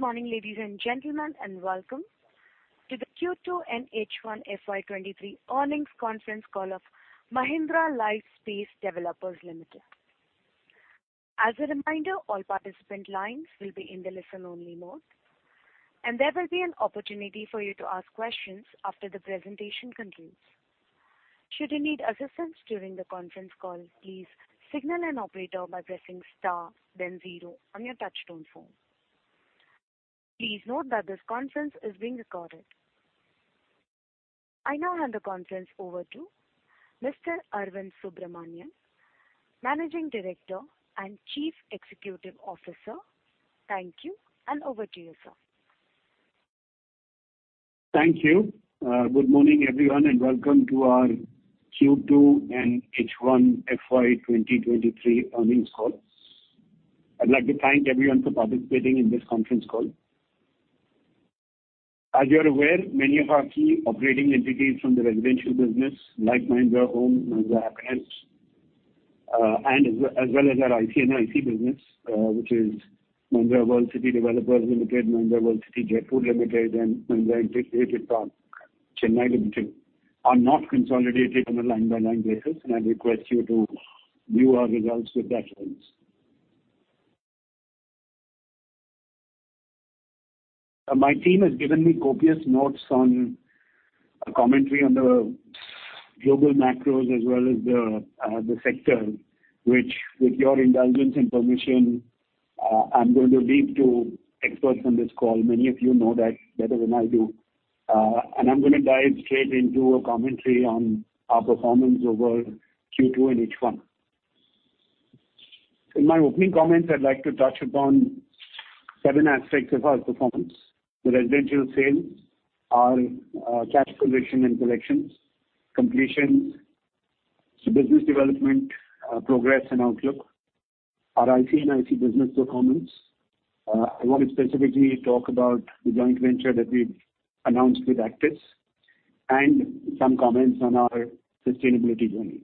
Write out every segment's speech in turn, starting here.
Good morning, ladies and gentlemen, and welcome to the Q2 H1 FY2023 earnings conference call of Mahindra Lifespace Developers Limited. As a reminder, all participant lines will be in the listen-only mode, and there will be an opportunity for you to ask questions after the presentation concludes. Should you need assistance during the conference call, please signal an operator by pressing star, then 0 on your touch-tone phone. Please note that this conference is being recorded. I now hand the conference over to Mr. Arvind Subramanian, Managing Director and Chief Executive Officer. Thank you, and over to you, sir. Thank you. Good morning, everyone, and welcome to our Q2 and H1 FY2023 earnings call. I'd like to thank everyone for participating in this conference call. As you're aware, many of our key operating entities from the residential business, like Mahindra Homes, Mahindra Happinest, and as well as our IC & IC business, which is Mahindra World City Developers Limited, Mahindra World City (Jaipur) Limited, and Mahindra Industrial Park Chennai Limited, are not consolidated on a line-by-line basis, and I'd request you to view our results with that in mind. My team has given me copious notes on a commentary on the global macros as well as the sector, which, with your indulgence and permission, I'm going to leave to experts on this call. Many of you know that better than I do. I'm going to dive straight into a commentary on our performance over Q2 and H1. In my opening comments, I'd like to touch upon seven aspects of our performance: the residential sales, our cash collection and collections, completions, business development progress and outlook, our IC & IC business performance. I want to specifically talk about the joint venture that we've announced with Actis and some comments on our sustainability journey.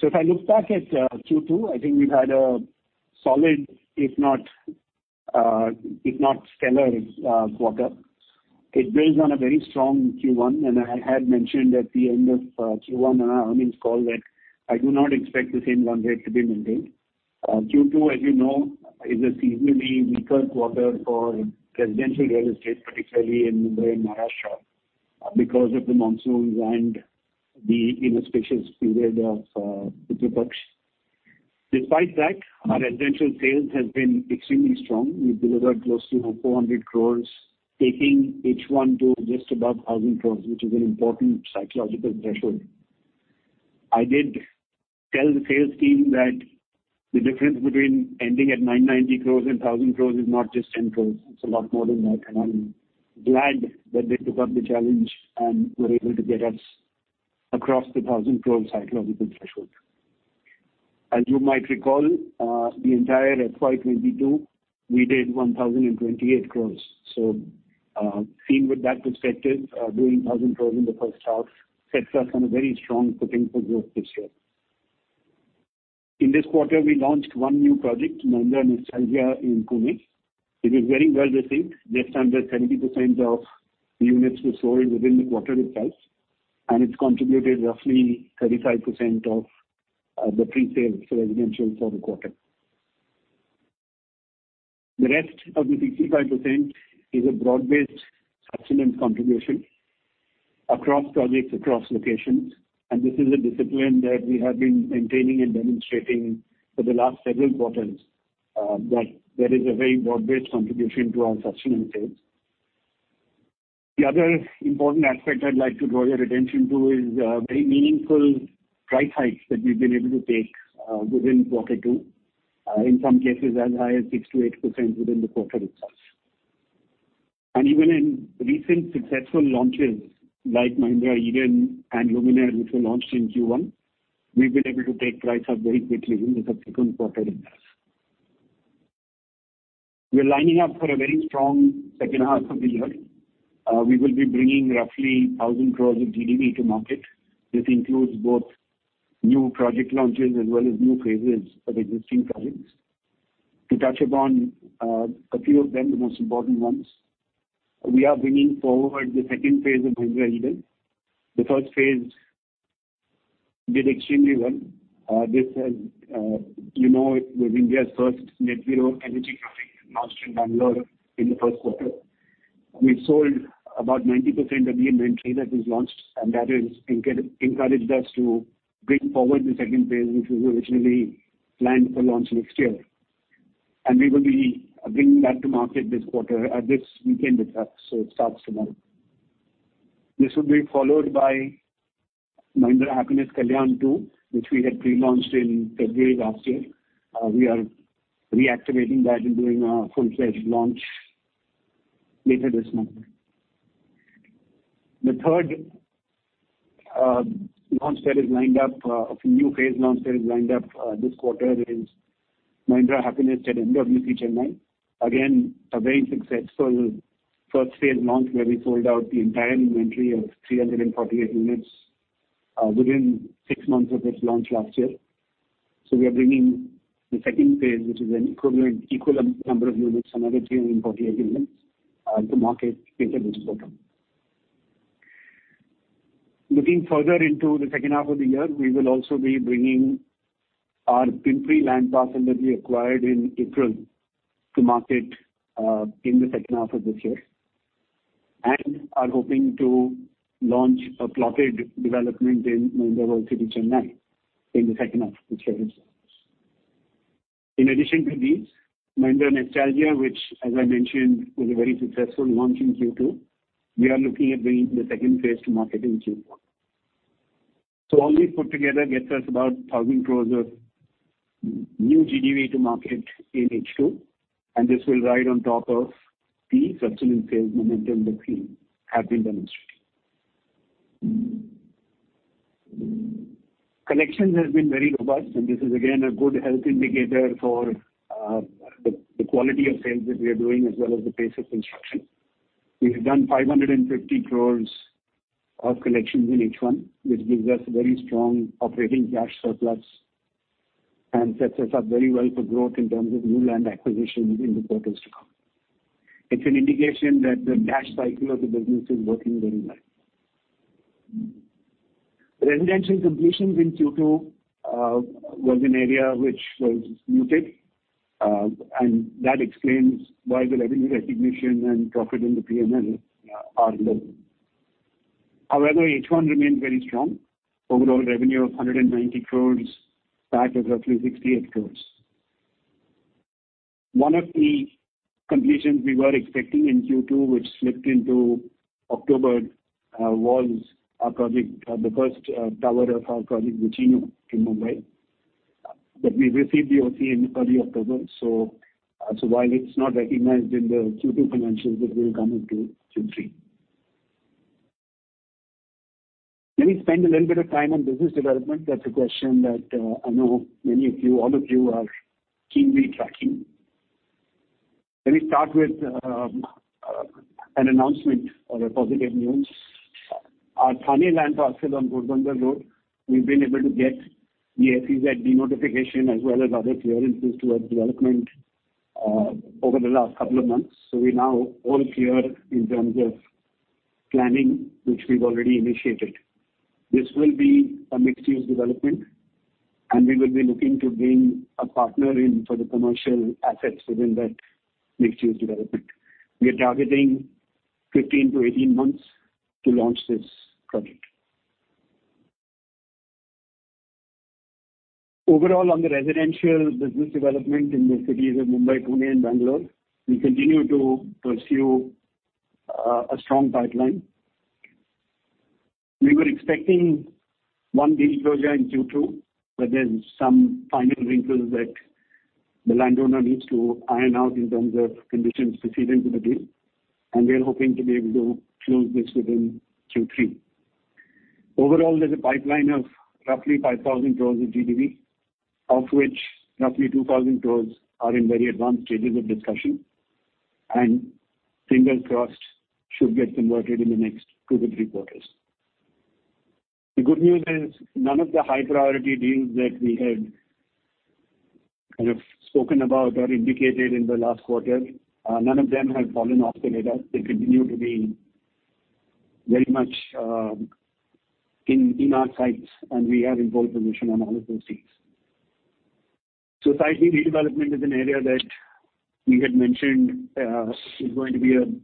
So if I look back at Q2, I think we've had a solid, if not stellar, quarter. It builds on a very strong Q1, and I had mentioned at the end of Q1 on our earnings call that I do not expect the same run rate to be maintained. Q2, as you know, is a seasonally weaker quarter for residential real estate, particularly in Mumbai and Maharashtra, because of the monsoons and the inauspicious period of Pitru Paksha. Despite that, our residential sales have been extremely strong. We've delivered close to 400 crores, taking H1 to just above 1,000 crores, which is an important psychological threshold. I did tell the sales team that the difference between ending at 990 crores and 1,000 crores is not just 10 crores. It's a lot more than that. I'm glad that they took up the challenge and were able to get us across the 1,000 crores psychological threshold. As you might recall, the entire FY2022, we did 1,028 crores. Seen with that perspective, doing 1,000 crores in the first half sets us on a very strong footing for growth this year. In this quarter, we launched one new project, Mahindra Nestalgia, in Pune. It was very well received, just under 70% of the units were sold within the quarter itself, and it's contributed roughly 35% of the pre-sales for residentials for the quarter. The rest of the 65% is a broad-based sustenance contribution across projects, across locations. This is a discipline that we have been maintaining and demonstrating for the last several quarters, that there is a very broad-based contribution to our sustenance sales. The other important aspect I'd like to draw your attention to is very meaningful price hikes that we've been able to take within quarter two, in some cases as high as 6%-8% within the quarter itself. Even in recent successful launches like Mahindra Eden and Luminare, which were launched in Q1, we've been able to take price up very quickly in the subsequent quarter itself. We're lining up for a very strong second half of the year. We will be bringing roughly 1,000 crore of GDV to market. This includes both new project launches as well as new phases of existing projects. To touch upon a few of them, the most important ones, we are bringing forward the second phase of Mahindra Eden. The first phase did extremely well. This has you know it was India's first net-zero energy project launched in Bangalore in the first quarter. We've sold about 90% of the inventory that was launched, and that has encouraged us to bring forward the second phase, which was originally planned for launch next year. We will be bringing that to market this quarter at this weekend itself, so it starts tomorrow. This will be followed by Mahindra Happinest Kalyan 2, which we had pre-launched in February last year. We are reactivating that and doing a full-fledged launch later this month. The third launch that is lined up, a new phase launch that is lined up this quarter, is Mahindra Happinest at MWC Chennai. Again, a very successful first phase launch where we sold out the entire inventory of 348 units within six months of its launch last year. So we are bringing the second phase, which is an equivalent equal number of units, another 348 units, to market later this quarter. Looking further into the second half of the year, we will also be bringing our Pimpri land parcel that we acquired in April to market in the second half of this year and are hoping to launch a plotted development in Mahindra World City, Chennai in the second half of this year as well. In addition to these, Mahindra Nestalgia, which, as I mentioned, was a very successful launch in Q2, we are looking at bringing the second phase to market in Q4. So all this put together gets us about 1,000 crores of new GDV to market in H2, and this will ride on top of the sustenance sales momentum that we have been demonstrating. Collections have been very robust, and this is, again, a good health indicator for the quality of sales that we are doing as well as the pace of construction. We've done 550 crores of collections in H1, which gives us a very strong operating cash surplus and sets us up very well for growth in terms of new land acquisition in the quarters to come. It's an indication that the cash cycle of the business is working very well. Residential completions in Q2 was an area which was muted, and that explains why the revenue recognition and profit in the P&L are low. However, H1 remains very strong. Overall revenue of 190 crores booked at roughly 68 crores. One of the completions we were expecting in Q2, which slipped into October, was our project the first tower of our project, the Vicino in Mumbai. But we received the OC in early October, so while it's not recognized in the Q2 financials, it will come into Q3. Let me spend a little bit of time on business development. That's a question that I know many of you all of you are keenly tracking. Let me start with an announcement or a positive news. Our Thane land parcel on Ghodbunder Road, we've been able to get the SEZ de-notification as well as other clearances towards development over the last couple of months. So we're now all clear in terms of planning, which we've already initiated. This will be a mixed-use development, and we will be looking to bring a partner in for the commercial assets within that mixed-use development. We're targeting 15-18 months to launch this project. Overall, on the residential business development in the cities of Mumbai, Pune, and Bangalore, we continue to pursue a strong pipeline. We were expecting one deal closure in Q2, but there's some final wrinkles that the landowner needs to iron out in terms of conditions preceding to the deal, and we are hoping to be able to close this within Q3. Overall, there's a pipeline of roughly 5,000 crore of GDV, of which roughly 2,000 crore are in very advanced stages of discussion, and fingers crossed should get converted in the next 2-3 quarters. The good news is none of the high-priority deals that we had kind of spoken about or indicated in the last quarter, none of them have fallen off the radar. They continue to be very much in our sights, and we are in pole position on all of those deals. Society redevelopment is an area that we had mentioned is going to be an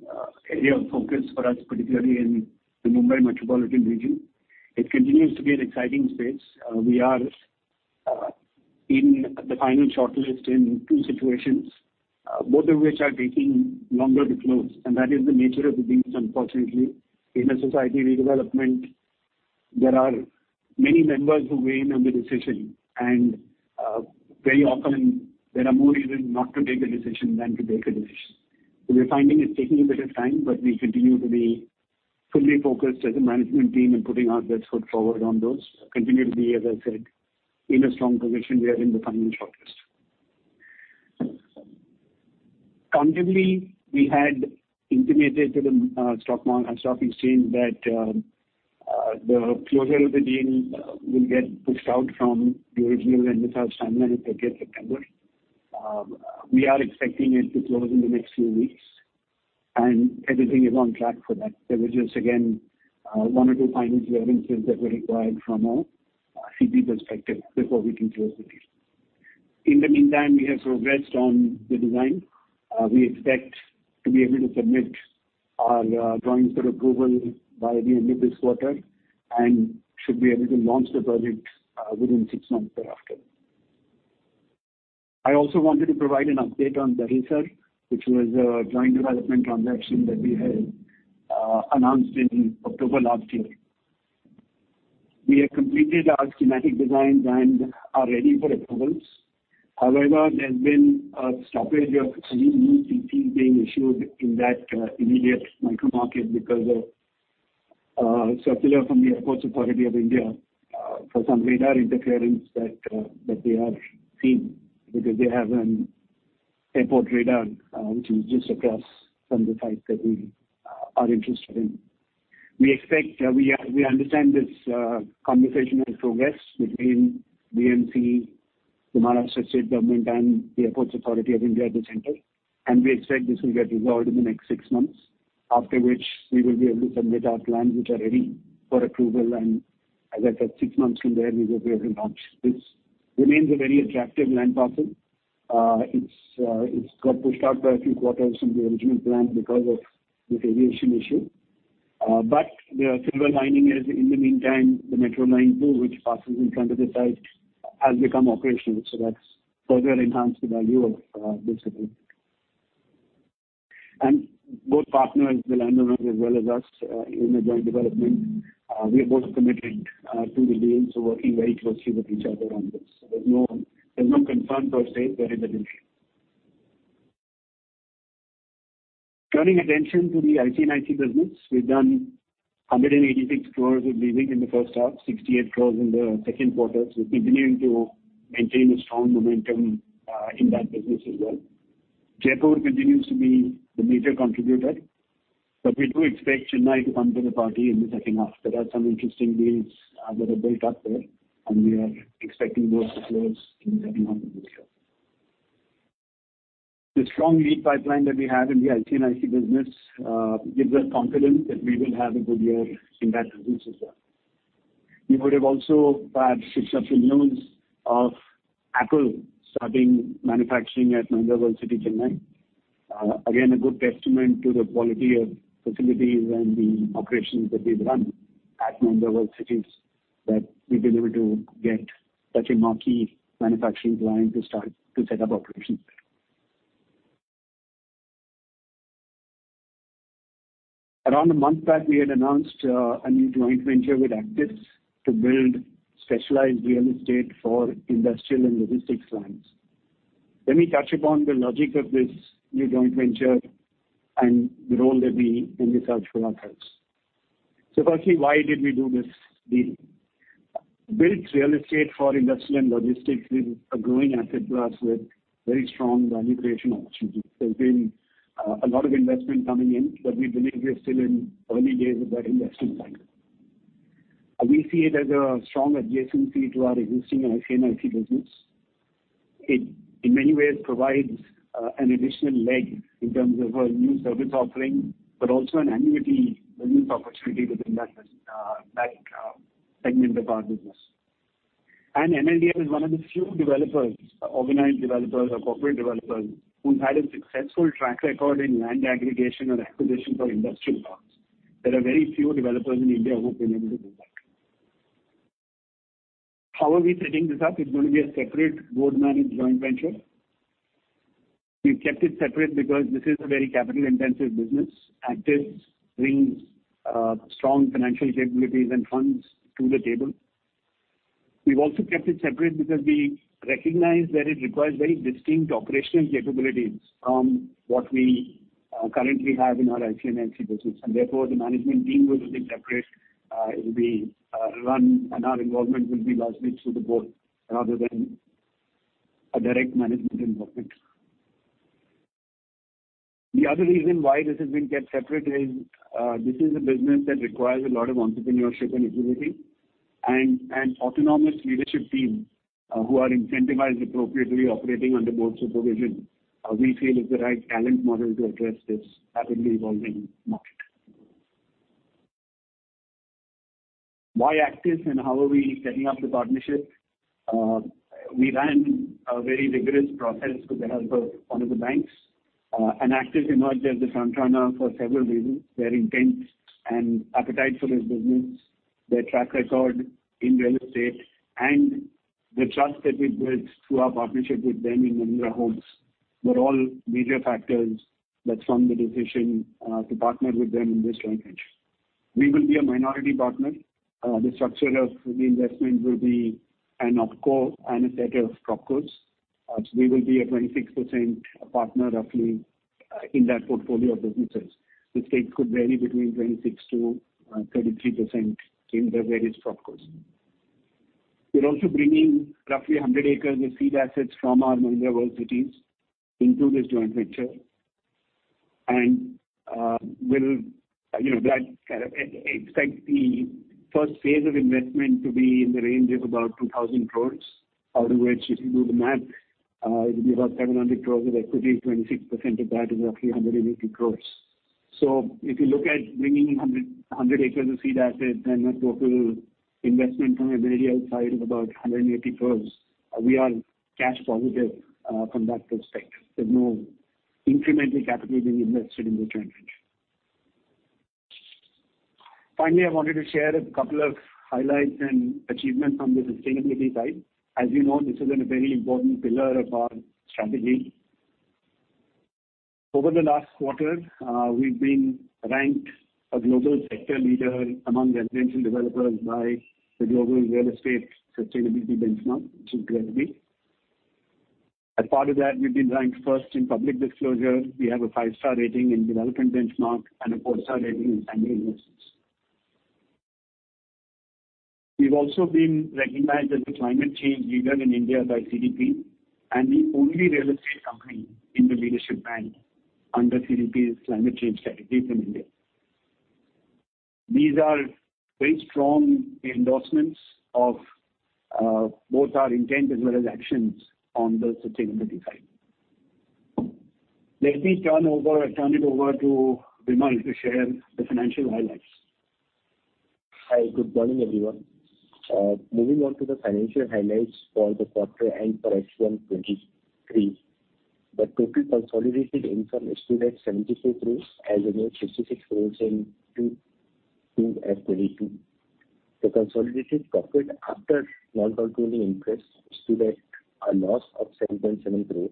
area of focus for us, particularly in the Mumbai metropolitan region. It continues to be an exciting space. We are in the final shortlist in two situations, both of which are taking longer to close, and that is the nature of the deals, unfortunately. In a society redevelopment, there are many members who weigh in on the decision, and very often, there are more reasons not to take a decision than to take a decision. We're finding it's taking a bit of time, but we continue to be fully focused as a management team and putting our best foot forward on those, continue to be, as I said, in a strong position. We are in the final shortlist. Consequently, we had intimated to the stock exchange that the closure of the deal will get pushed out from the original and the first timeline if that gets September. We are expecting it to close in the next few weeks, and everything is on track for that. There were just, again, one or two final clearances that were required from our CP perspective before we can close the deal. In the meantime, we have progressed on the design. We expect to be able to submit our drawings for approval by the end of this quarter and should be able to launch the project within six months thereafter. I also wanted to provide an update on Dahisar, which was a joint development transaction that we had announced in October last year. We have completed our schematic designs and are ready for approvals. However, there's been a stoppage of any new CCs being issued in that immediate micromarket because of a circular from the Airports Authority of India for some radar interference that they are seeing because they have an airport radar, which is just across from the site that we are interested in. We expect we understand this conversational progress between BMC, the Maharashtra State Government, and the Airports Authority of India at the center, and we expect this will get resolved in the next six months, after which we will be able to submit our plans, which are ready for approval. And as I said, six months from there, we will be able to launch. This remains a very attractive land parcel. It's got pushed out by a few quarters from the original plan because of this aviation issue. But the silver lining is, in the meantime, the Metro Line 2, which passes in front of the site, has become operational, so that's further enhanced the value of this development. And both partners, the landowners as well as us, in the joint development, we are both committed to the deal, so working very closely with each other on this. There's no concern per se that it will delay. Turning attention to the IC & IC business, we've done 186 crore of leasing in the first half, 68 crore in the second quarter. So we're continuing to maintain a strong momentum in that business as well. Jaipur continues to be the major contributor, but we do expect Chennai to come to the party in the second half. There are some interesting deals that are built up there, and we are expecting those to close in the second half of this year. The strong lead pipeline that we have in the IC & IC business gives us confidence that we will have a good year in that business as well. We would have also had successful news of Apple starting manufacturing at Mahindra World City Chennai, again, a good testament to the quality of facilities and the operations that we've run at Mahindra World Cities, that we've been able to get such a marquee manufacturing client to start to set up operations there. Around a month back, we had announced a new joint venture with Actis to build specialized real estate for industrial and logistics clients. Let me touch upon the logic of this new joint venture and the role that we MLDL fulfills as well. So firstly, why did we do this deal? Built real estate for industrial and logistics is a growing asset for us with very strong value creation opportunities. There's been a lot of investment coming in, but we believe we're still in early days of that investment cycle. We see it as a strong adjacency to our existing IC & IC business. It, in many ways, provides an additional leg in terms of a new service offering but also an annuity business opportunity within that segment of our business. MLDL is one of the few developers, organized developers or corporate developers, who've had a successful track record in land aggregation or acquisition for industrial parks. There are very few developers in India who've been able to do that. How are we setting this up? It's going to be a separate board-managed joint venture. We've kept it separate because this is a very capital-intensive business. Actis brings strong financial capabilities and funds to the table. We've also kept it separate because we recognize that it requires very distinct operational capabilities from what we currently have in our IC & IC business, and therefore, the management team will be separate. It will be run and our involvement will be largely through the board rather than a direct management involvement. The other reason why this has been kept separate is this is a business that requires a lot of entrepreneurship and agility and an autonomous leadership team who are incentivized appropriately, operating under board supervision. We feel it's the right talent model to address this rapidly evolving market. Why Actis and how are we setting up the partnership? We ran a very rigorous process with the help of one of the banks. Actis emerged as the frontrunner for several reasons. Their intent and appetite for this business, their track record in real estate, and the trust that we've built through our partnership with them in Mahindra Homes were all major factors that spun the decision to partner with them in this joint venture. We will be a minority partner. The structure of the investment will be an OpCo and a set of PropCos. We will be a 26% partner, roughly, in that portfolio of businesses. The stakes could vary between 26%-33% in the various PropCos. We're also bringing roughly 100 acres of seed assets from our Mahindra World Cities into this joint venture and will kind of expect the first phase of investment to be in the range of about 2,000 crores, out of which, if you do the math, it will be about 700 crores of equity. 26% of that is roughly 180 crores. So if you look at bringing in 100 acres of seed assets and a total investment from MLDF side of about 180 crore, we are cash positive from that perspective. There's no incremental capital being invested in this joint venture. Finally, I wanted to share a couple of highlights and achievements on the sustainability side. As you know, this is a very important pillar of our strategy. Over the last quarter, we've been ranked a global sector leader among residential developers by the Global Real Estate Sustainability Benchmark, which is GRESB. As part of that, we've been ranked first in public disclosure. We have a five-star rating in Development Benchmark and a four-star rating in Standing Investments. We've also been recognized as a climate change leader in India by CDP and the only real estate company in the leadership band under CDP's climate change strategy from India. These are very strong endorsements of both our intent as well as actions on the sustainability side. Let me turn it over to Vimal to share the financial highlights. Hi. Good morning, everyone. Moving on to the financial highlights for the quarter end for H1 2023, the total consolidated income is still at 74 crores as against 66 crores in Q2 of 2022. The consolidated profit after non-controlling interest is still at a loss of 7.7 crores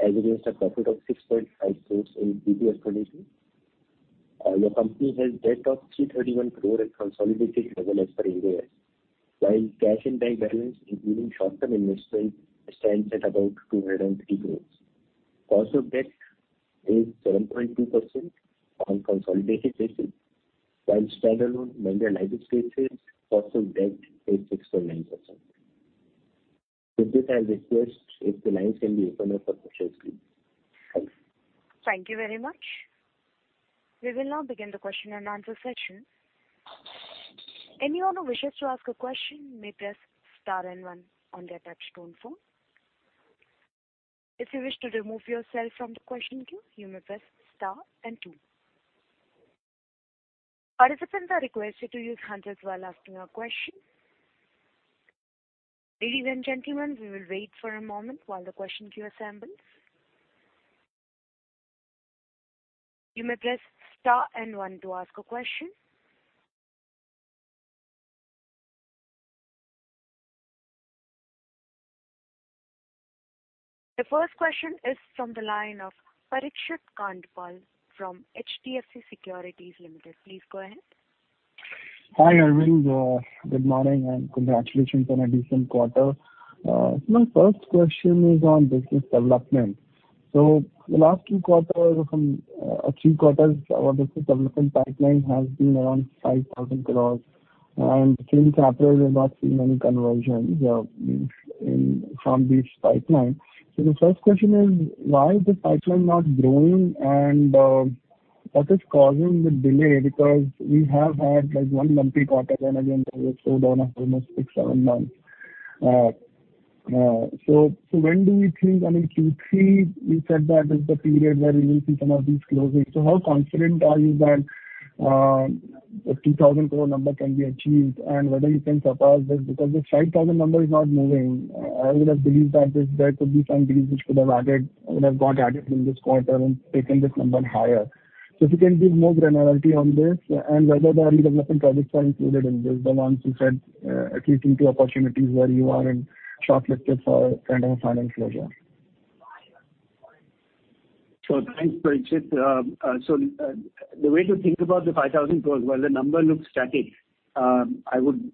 as against a profit of 6.5 crores in Q2 of 2022. Your company has debt of 331 crores at consolidated level as per Ind AS as well, while cash and bank balance, including short-term investment, stands at about 203 crores. Cost of debt is 7.2% on consolidated basis, while standalone Mahindra Lifespace's cost of debt is 6.9%. With this, I'll request if the lines can be opened up for questions, please. Thank you. Thank you very much. We will now begin the question-and-answer session. Anyone who wishes to ask a question may press star and one on their touch-tone phone. If you wish to remove yourself from the question queue, you may press star and two. Participants are requested to use handsets as well when asking a question. Ladies and gentlemen, we will wait for a moment while the question queue assembles. You may press star and 1 to ask a question. The first question is from the line of Parikshit Kandpal from HDFC Securities Limited. Please go ahead. Hi, Arvind. Good morning and congratulations on a decent quarter. My first question is on business development. So the last two quarters or three quarters, our business development pipeline has been around 5,000 crore, and since April, we're not seeing any conversions from this pipeline. So the first question is, why is the pipeline not growing, and what is causing the delay? Because we have had one lumpy quarter, then again, it slowed down almost six, seven months. So when do we think I mean, Q3, you said that is the period where we will see some of these closings. So how confident are you that the 2,000-crore number can be achieved and whether you can surpass this? Because this 5,000 crore number is not moving. I would have believed that there could be some deals which could have got added in this quarter and taken this number higher. So if you can give more granularity on this and whether the redevelopment projects are included in this, the ones you said, at least into opportunities where you are shortlisted for kind of a final closure? So thanks, Parikshit. So the way to think about the 5,000 crore, while the number looks static, I would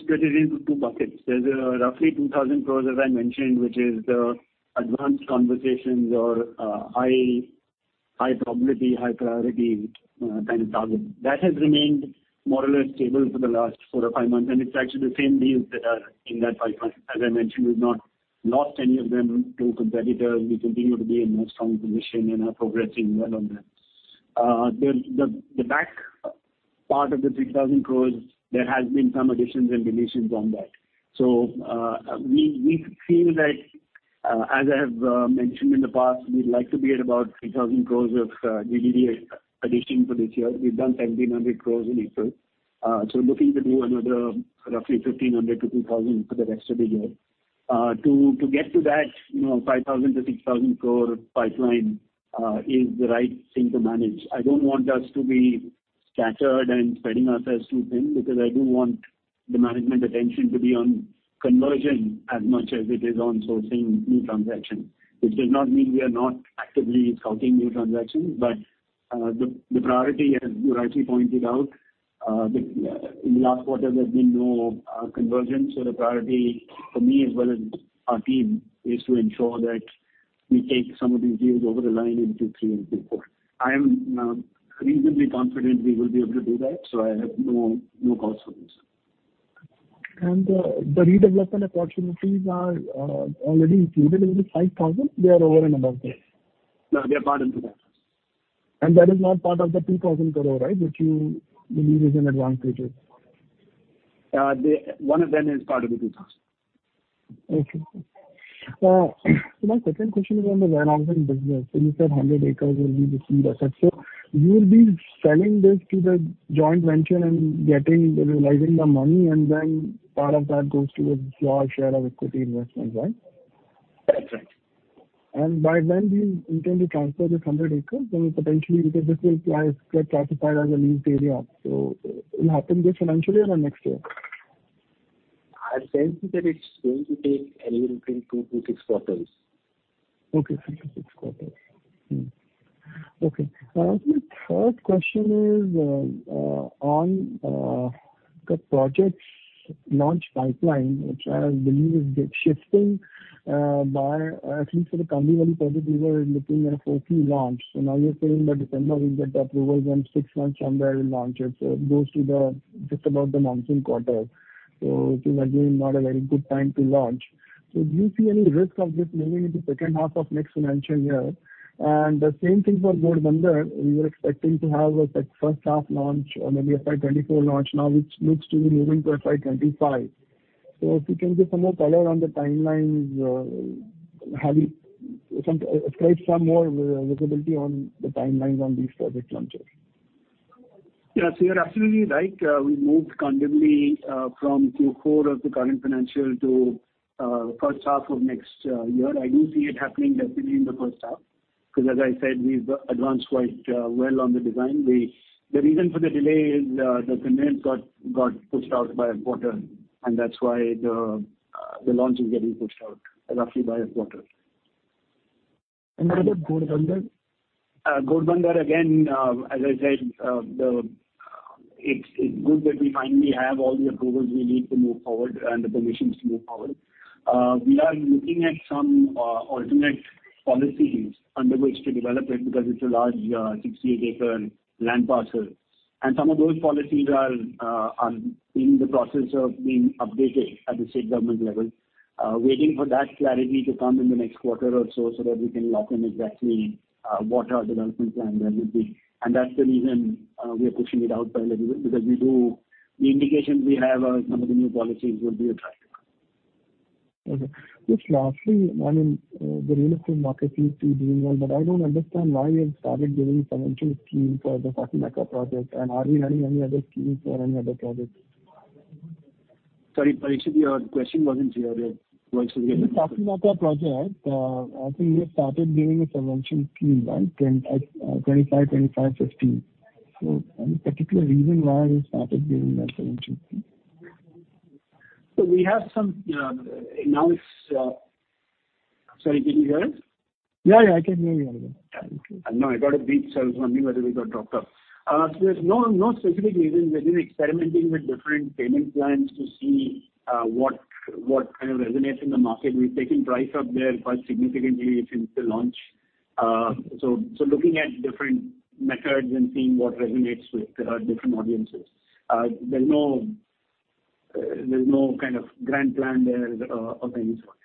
split it into two buckets. There's roughly 2,000 crore, as I mentioned, which is the advanced conversations or high-probability, high-priority kind of target. That has remained more or less stable for the last four or five months, and it's actually the same deals that are in that pipeline. As I mentioned, we've not lost any of them to competitors. We continue to be in a strong position, and we're progressing well on that. The back part of the 3,000 crore, there have been some additions and deletions on that. So we feel that, as I have mentioned in the past, we'd like to be at about 3,000 crore of GDV addition for this year. We've done 1,700 crore in April. So looking to do another roughly 1,500-2,000 for the rest of the year. To get to that 5,000-6,000 crore pipeline is the right thing to manage. I don't want us to be scattered and spreading ourselves too thin because I do want the management attention to be on conversion as much as it is on sourcing new transactions. This does not mean we are not actively scouting new transactions, but the priority, as you rightly pointed out, in the last quarter, there's been no conversion. So the priority for me as well as our team is to ensure that we take some of these deals over the line in Q3 and Q4. I am reasonably confident we will be able to do that, so I have no cause for concern. The redevelopment opportunities are already included in the 5,000? They are over and above that? No, they are part of the 5,000. And that is not part of the 2,000 crore, right, which you believe is an advanced purchase? One of them is part of the 2,000. Okay. So my second question is on the land-owned business. So you said 100 acres will be the seed asset. So you'll be selling this to the joint venture and realizing the money, and then part of that goes to a small share of equity investments, right? That's right. By when do you intend to transfer this 100 acres? Potentially, because this will get classified as a leased area, so it'll happen this financial year or next year? I've sensed that it's going to take anywhere between two to six quarters. Okay. three to six quarters. Okay. My third question is on the project launch pipeline, which I believe is shifting by at least for the Kandivali project, we were looking at a Q4 launch. So now you're saying by December, we'll get the approvals, and six months from there, we'll launch it. So it goes just about the monsoon quarter. So it is, again, not a very good time to launch. So do you see any risk of this moving into second half of next financial year? And the same thing for Ghodbunder Road. We were expecting to have a first-half launch or maybe FY 2024 launch now, which looks to be moving to FY 2025. So if you can give some more color on the timelines, describe some more visibility on the timelines on these project launches. Yeah. So you're absolutely right. We've moved kindly from Q4 of the current financial to first half of next year. I do see it happening definitely in the first half because, as I said, we've advanced quite well on the design. The reason for the delay is the commitment got pushed out by a quarter, and that's why the launch is getting pushed out roughly by a quarter. What about Ghodbunder? Ghodbunder, again, as I said, it's good that we finally have all the approvals we need to move forward and the permissions to move forward. We are looking at some alternate policies under which to develop it because it's a large 68-acre land parcel. Some of those policies are in the process of being updated at the state government level, waiting for that clarity to come in the next quarter or so so that we can lock in exactly what our development plan there will be. That's the reason we are pushing it out by a little bit because the indications we have are some of the new policies will be attractive. Okay. Just lastly, I mean, the real estate market seems to be doing well, but I don't understand why you have started giving subvention schemes for the Saki Naka project. Are we running any other schemes for any other projects? Sorry, Parikshit, your question wasn't clear. It works together. The Saki Naka project, I think you started giving a subvention scheme, right, 25, 25, 15. So any particular reason why you started giving that subvention scheme? Sorry, can you hear us? Yeah, yeah. I can hear you all again. No, I got a beep, so I was wondering whether we got dropped off. So there's no specific reason. We've been experimenting with different payment plans to see what kind of resonates in the market. We've taken price up there quite significantly since the launch. So looking at different methods and seeing what resonates with different audiences. There's no kind of grand plan there of any sort.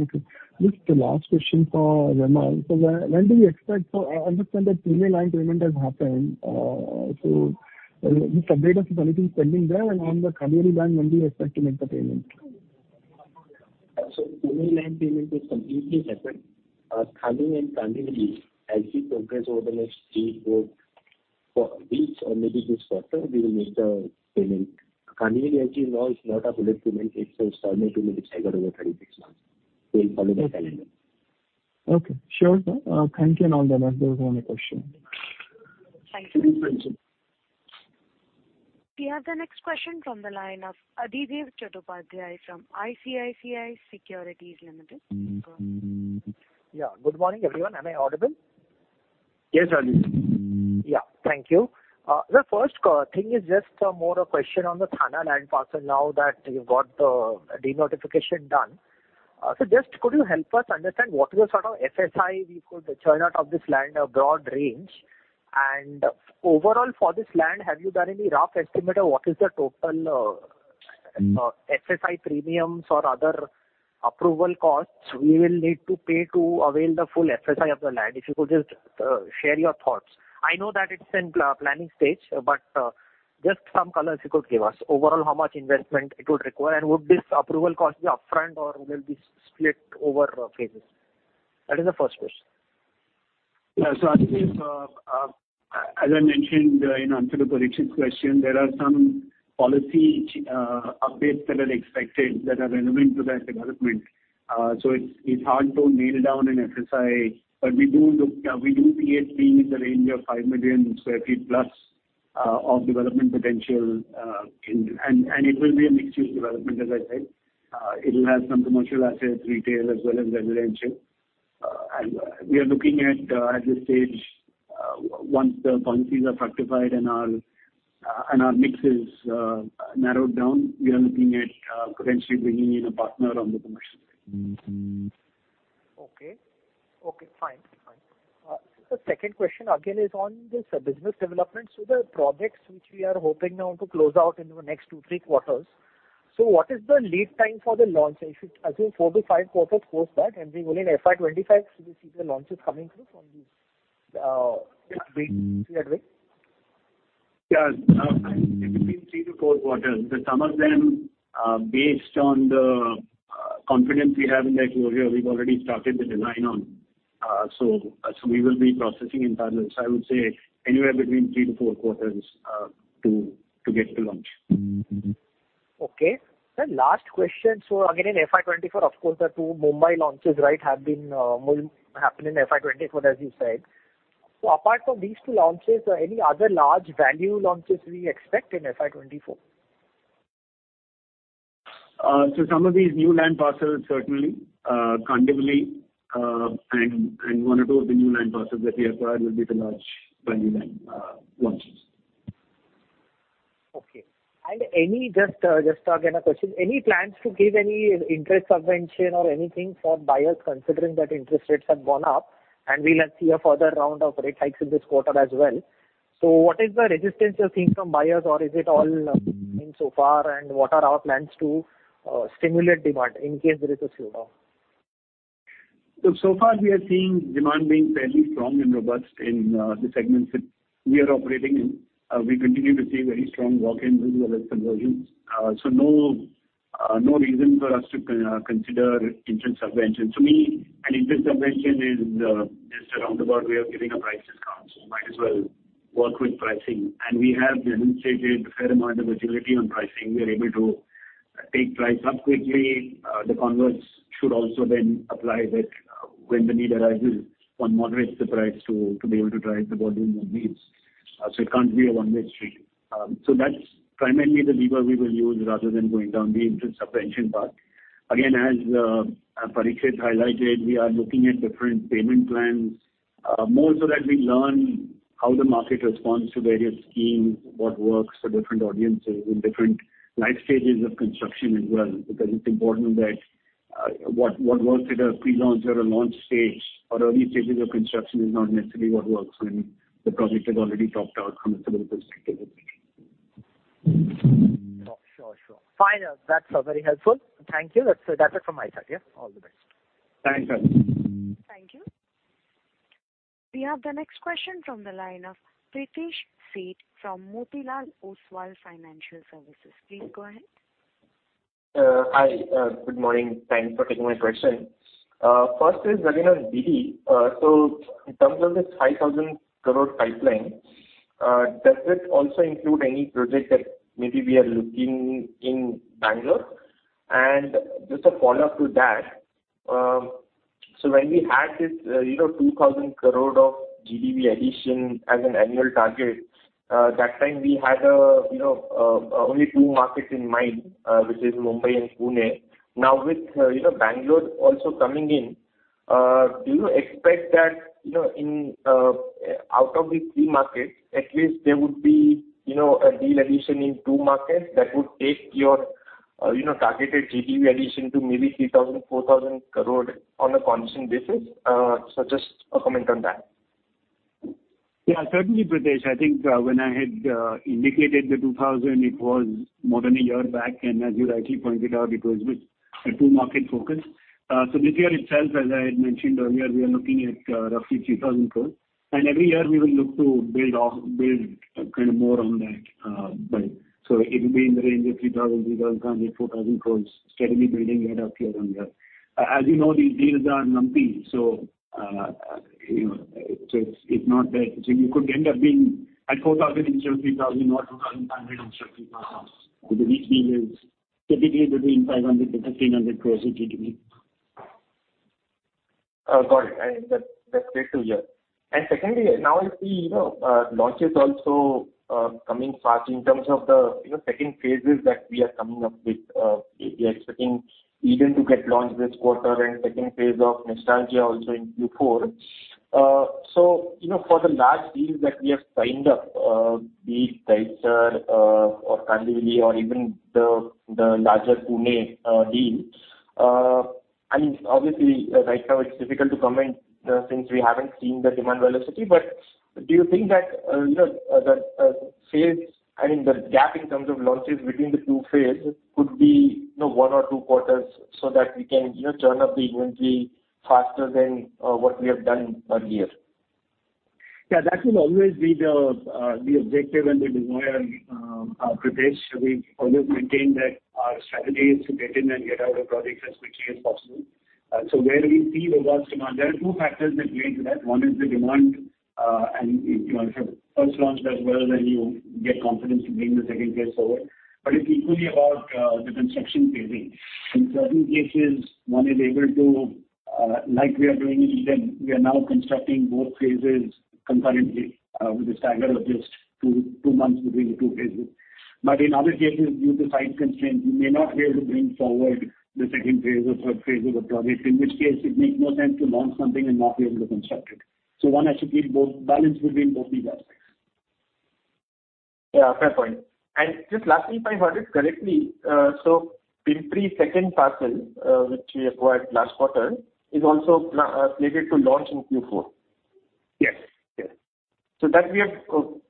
Okay. Just the last question for Vimal. So when do we expect so I understand that Pune land payment has happened. So just update us if anything's pending there. And on the Kandivali land, when do you expect to make the payment? So Pune land payment is completely separate. Kandivali and Kandivali, as we progress over the next three or four weeks or maybe this quarter, we will make the payment. Kandivali, as you know, is not a bullet payment. It's an installment payment. It's structured over 36 months. We'll follow the calendar. Okay. Sure. Thank you and all the rest. That was all my question. Thank you. Do we have the next question from the line of Adhidev Chattopadhyay from ICICI Securities Limited? Yeah. Good morning, everyone. Am I audible? Yes, Adivesh. Yeah. Thank you. The first thing is just more a question on the Thane land parcel now that you've got the de-notification done. So just could you help us understand what is the sort of FSI we could churn out of this land, a broad range? And overall, for this land, have you done any rough estimate of what is the total FSI premiums or other approval costs we will need to pay to avail the full FSI of the land? If you could just share your thoughts. I know that it's in planning stage, but just some colors you could give us, overall, how much investment it would require, and would this approval cost be upfront, or will it be split over phases? That is the first question. Yeah. So Adhidev, as I mentioned in answer to Parikshit's question, there are some policy updates that are expected that are relevant to that development. So it's hard to nail down an FSI, but we do see it being in the range of 5 million sq ft plus of development potential. And it will be a mixed-use development, as I said. It will have some commercial assets, retail, as well as residential. And we are looking at, at this stage, once the policies are factified and our mix is narrowed down, we are looking at potentially bringing in a partner on the commercial side. Okay. Fine. The second question, again, is on this business development. So the projects which we are hoping now to close out in the next two to three quarters. So what is the lead time for the launch? If you assume four to five quarters post that, and we will in FY2025, should we see the launches coming through from these deals we are doing? Yeah. It would be in three to four quarters. But some of them, based on the confidence we have in their closure, we've already started the design on. So we will be processing in parallel. So I would say anywhere between three to four quarters to get to launch. Okay. The last question. So again, in FY 2024, of course, the two Mumbai launches, right, will happen in FY 2024, as you said. So apart from these two launches, any other large value launches we expect in FY 2024? Some of these new land parcels, certainly. Kandivali and one or two of the new land parcels that we acquired will be the large value land launches. Okay. And just again, a question. Any plans to give any interest subvention or anything for buyers considering that interest rates have gone up? And we'll see a further round of rate hikes in this quarter as well. So what is the resistance you're seeing from buyers, or is it all in so far? And what are our plans to stimulate demand in case there is a slowdown? So far, we are seeing demand being fairly strong and robust in the segments that we are operating in. We continue to see very strong walk-ins as well as conversions. So no reason for us to consider interest subvention. To me, an interest subvention is just a roundabout way of giving a price discount. So we might as well work with pricing. And we have demonstrated a fair amount of agility on pricing. We are able to take price up quickly. The converse should also then apply that when the need arises, one moderates the price to be able to drive the volume of deals. So it can't be a one-way street. So that's primarily the lever we will use rather than going down the interest subvention part. Again, as Parikshit highlighted, we are looking at different payment plans more so that we learn how the market responds to various schemes, what works for different audiences in different life stages of construction as well because it's important that what works at a prelaunch or a launch stage or early stages of construction is not necessarily what works when the project has already topped out from a civil perspective. Sure. Sure. Fine. That's very helpful. Thank you. That's it from my side. Yeah. All the best. Thanks, Adivesh. Thank you. We have the next question from the line of Pritesh Sheth from Motilal Oswal Financial Services. Please go ahead. Hi. Good morning. Thanks for taking my question. First is, again, on BD. So in terms of this 5,000 crore pipeline, does it also include any project that maybe we are looking in Bangalore? And just a follow-up to that, so when we had this 2,000 crore of GDV addition as an annual target, that time, we had only two markets in mind, which is Mumbai and Pune. Now, with Bangalore also coming in, do you expect that out of these three markets, at least there would be a deal addition in two markets that would take your targeted GDV addition to maybe 3,000-4,000 crore on a condition basis? So just a comment on that. Yeah. Certainly, Pritesh. I think when I had indicated the 2,000, it was more than a year back. And as you rightly pointed out, it was with a 2-market focus. So this year itself, as I had mentioned earlier, we are looking at roughly 3,000 crore. And every year, we will look to build kind of more on that bit. So it will be in the range of 3,000, 3,500, 4,000 crores, steadily building year after year on year. As you know, these deals are lumpy. So it's not that you could end up being at 4,000-installed, 3,000, not 2,500-installed, 3,000 because each deal is typically between INR 500-INR 1,500 crores of GDV. Got it. That's great to hear. And secondly, now I see launches also coming fast in terms of the second phases that we are coming up with. We are expecting Eden to get launched this quarter and second phase of Nestalgia also in Q4. So for the large deals that we have signed up, be it Dahisar or Kandivali or even the larger Pune deal, I mean, obviously, right now, it's difficult to comment since we haven't seen the demand velocity. But do you think that the phase I mean, the gap in terms of launches between the two phases could be one or two quarters so that we can churn up the inventory faster than what we have done earlier? Yeah. That will always be the objective and the desire, Pritesh. We've always maintained that our strategy is to get in and get out of projects as quickly as possible. So where we see robust demand, there are two factors that play into that. One is the demand. And if a first launch does well, then you get confidence to bring the second phase forward. But it's equally about the construction phasing. In certain cases, one is able to like we are doing in Eden, we are now constructing both phases concurrently with a stagger of just two months between the two phases. But in other cases, due to site constraints, you may not be able to bring forward the second phase or third phase of a project, in which case, it makes no sense to launch something and not be able to construct it. One has to keep both balance between both these aspects. Yeah. Fair point. And just lastly, if I heard it correctly, so Pimpri second parcel, which we acquired last quarter, is also slated to launch in Q4? Yes. Yes. So that we have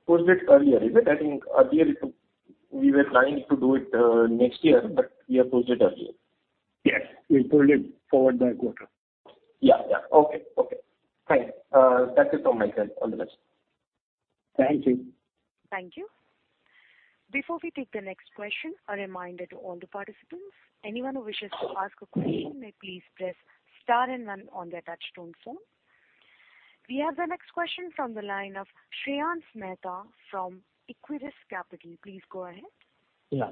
posted earlier, is it? I think earlier, we were planning to do it next year, but we have posted earlier. Yes. We've pulled it forward by quarter. Yeah. Yeah. Okay. Okay. Fine. That's it from my side. All the best. Thank you. Thank you. Before we take the next question, a reminder to all the participants. Anyone who wishes to ask a question may please press star and one on their touchtone phone. We have the next question from the line of Shreyans Mehta from Equirus Capital. Please go ahead. Yeah.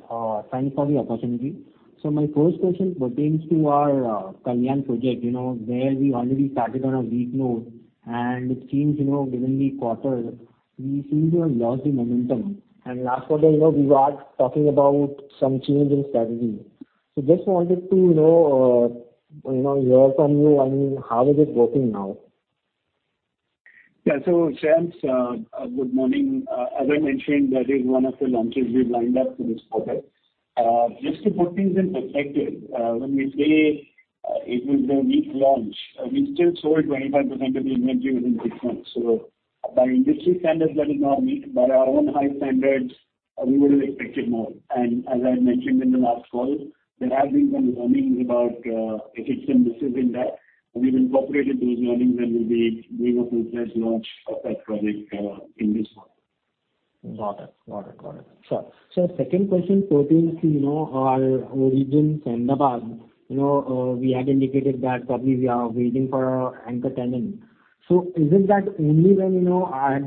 Thanks for the opportunity. My first question pertains to our Kalyan project, where we already started on a weak note. It seems, given the quarter, we seem to have lost the momentum. Last quarter, we were talking about some change in strategy. Just wanted to hear from you, I mean, how is it working now? Yeah. So Shreyans, good morning. As I mentioned, that is one of the launches we've lined up for this quarter. Just to put things in perspective, when we say it was a weak launch, we still sold 25% of the inventory within six months. So by industry standards, that is not weak. By our own high standards, we would have expected more. And as I had mentioned in the last call, there have been some learnings about hits and misses in that. We've incorporated those learnings, and we'll be doing a full-fledged launch of that project in this quarter. Got it. Got it. Got it. Sure. So second question pertains to our Origins, Sanand. We had indicated that probably we are waiting for our anchor tenant. So is it that only when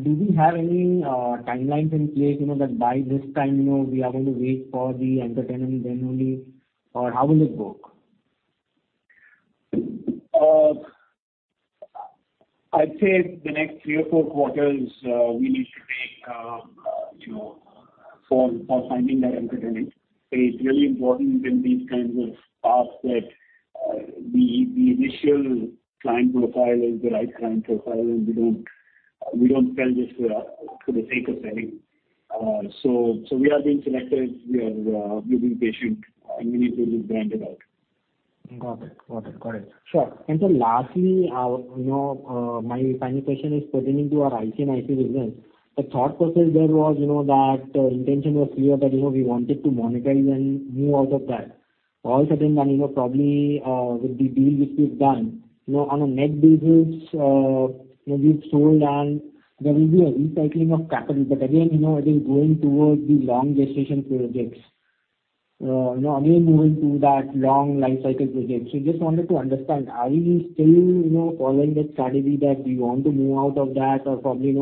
do we have any timelines in place that by this time, we are going to wait for the anchor tenant then only, or how will it work? I'd say the next 3 or 4 quarters, we need to take for finding that anchor tenant. It's really important in these kinds of paths that the initial client profile is the right client profile, and we don't sell just for the sake of selling. So we are being selective. We are being patient, and we need to just grind it out. Got it. Got it. Got it. Sure. And then lastly, my final question is pertaining to our IC & IC business. The thought process there was that intention was clear that we wanted to monetize and move out of that. All of a sudden, then probably with the deal which we've done, on a net basis, we've sold, and there will be a recycling of capital. But again, it is going towards the long gestation projects, again, moving to that long life cycle project. So I just wanted to understand, are we still following that strategy that we want to move out of that, or probably we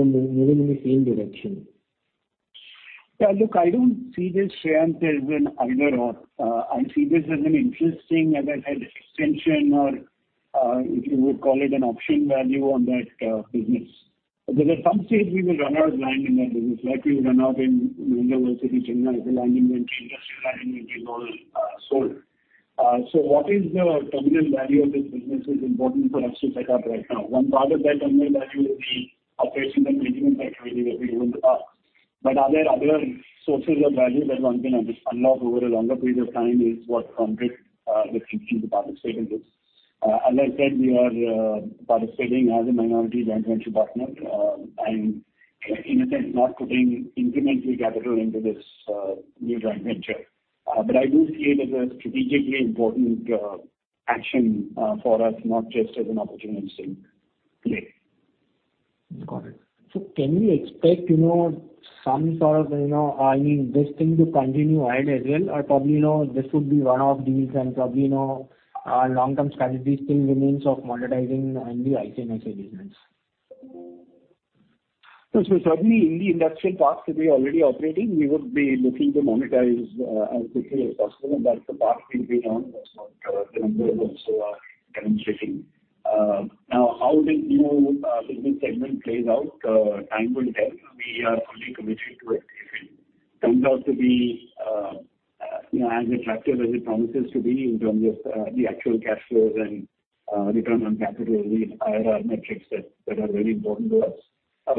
are moving in the same direction? Yeah. Look, I don't see this, Shreyans, as an either/or. I see this as an interesting, as I said, extension or, if you would call it, an option value on that business. There are some stages we will run out of land in that business, like we run out in Mahindra World City, Chennai, the land inventory, industrial land inventory is all sold. So what is the terminal value of this business is important for us to set up right now. One part of that terminal value is the operational and maintenance activity that we do in the parks. But are there other sources of value that one can unlock over a longer period of time is what prompted the thinking to participate in this. As I said, we are participating as a minority joint venture partner and, in a sense, not putting incremental capital into this new joint venture. But I do see it as a strategically important action for us, not just as an opportunistic play. Got it. So can we expect some sort of, I mean, this thing to continue ahead as well, or probably this would be one-off deals and probably our long-term strategy still remains of monetizing in the IC & IC business? So certainly, in the industrial parks that we are already operating, we would be looking to monetize as quickly as possible. And that's a path we've been on. As the numbers also are demonstrating. Now, how this new business segment plays out, time will tell. We are fully committed to it. If it turns out to be as attractive as it promises to be in terms of the actual cash flows and return on capital, these IRR metrics that are very important to us,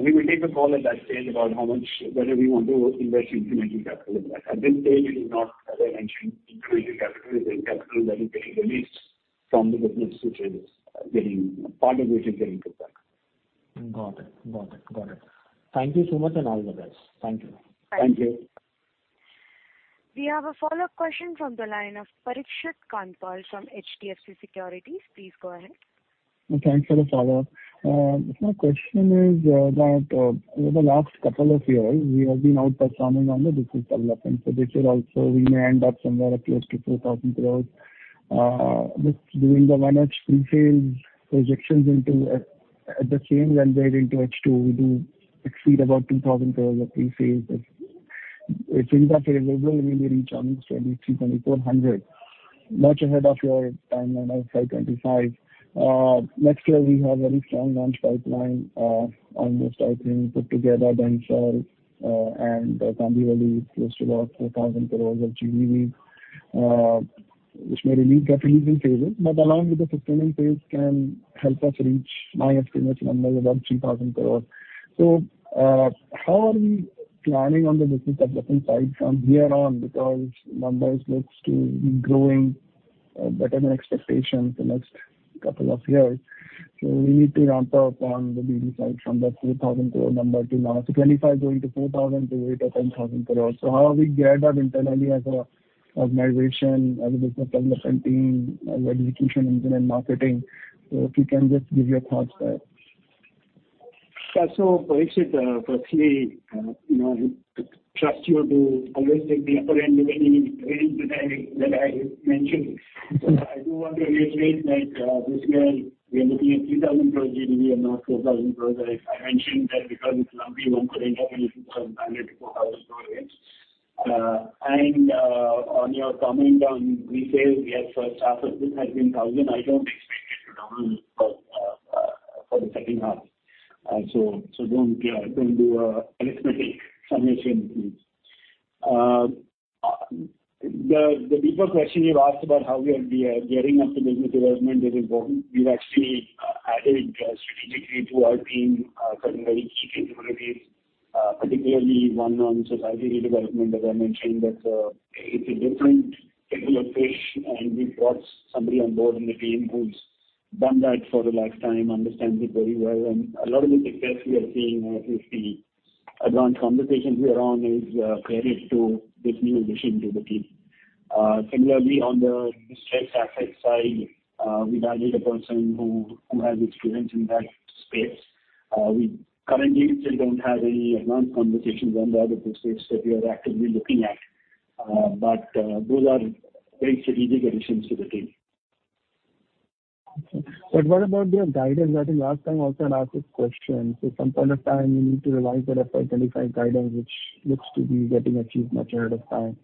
we will take a call at that stage about whether we want to invest incremental capital in that. At this stage, it is not, as I mentioned, incremental capital. It's the capital that is being released from the business, part of which is getting put back. Got it. Got it. Got it. Thank you so much, and all the best. Thank you. Thank you. We have a follow-up question from the line of Parikshit Kandpal from HDFC Securities. Please go ahead. Thanks for the follow-up. My question is that over the last couple of years, we have been outperforming on the business development. So this year also, we may end up somewhere close to 4,000 crore. Just doing the H1 pre-sales projections into at the same when we're into H2, we do exceed about 2,000 crore of pre-sales. If things are favorable, we may reach almost 2,300-2,400 crore, much ahead of your timeline of 525 crore. Next year, we have a very strong launch pipeline almost, I think, put together, Dahisar and Kandivali, close to about 4,000 crore of GDV, which may get released in phases. But along with the sustaining phase can help us reach, my estimate, numbers above INR 3,000 crore. So how are we planning on the business development side from here on? Because numbers look to be growing better than expectations the next couple of years. We need to ramp up on the BD side from that 4,000 crore number to now, so 25 going to 4,000 crore to 8,000-10,000 crore. How do we get that internally as an organization, as a business development team, as execution engine and marketing? If you can just give your thoughts there. Yeah. So Parikshit, firstly, I trust you to always take the upper end of any range that I mentioned. So I do want to reiterate that this year, we are looking at 3,000 crore GDV and not 4,000 crore. I mentioned that because it's lumpy, one could end up in 2,500 crore-4,000 crore, right? And on your comment on pre-sales, yes, first half of this has been 1,000 crore. I don't expect it to double for the second half. So don't do an arithmetic summation, please. The deeper question you've asked about how we are gearing up the business development is important. We've actually added strategically to our team certain very key capabilities, particularly one on society redevelopment. As I mentioned, it's a different type of fish, and we've brought somebody on board in the team who's done that for the last time, understands it very well. A lot of the success we are seeing with the advanced conversations we are on is credit to this new addition to the team. Similarly, on the distress asset side, we've added a person who has experience in that space. We currently still don't have any advanced conversations on that. It's a space that we are actively looking at. Those are very strategic additions to the team. Okay. But what about the guidance? I think last time also, I'd asked this question. So some point of time, we need to revise the FY 2025 guidance, which looks to be getting achieved much ahead of time.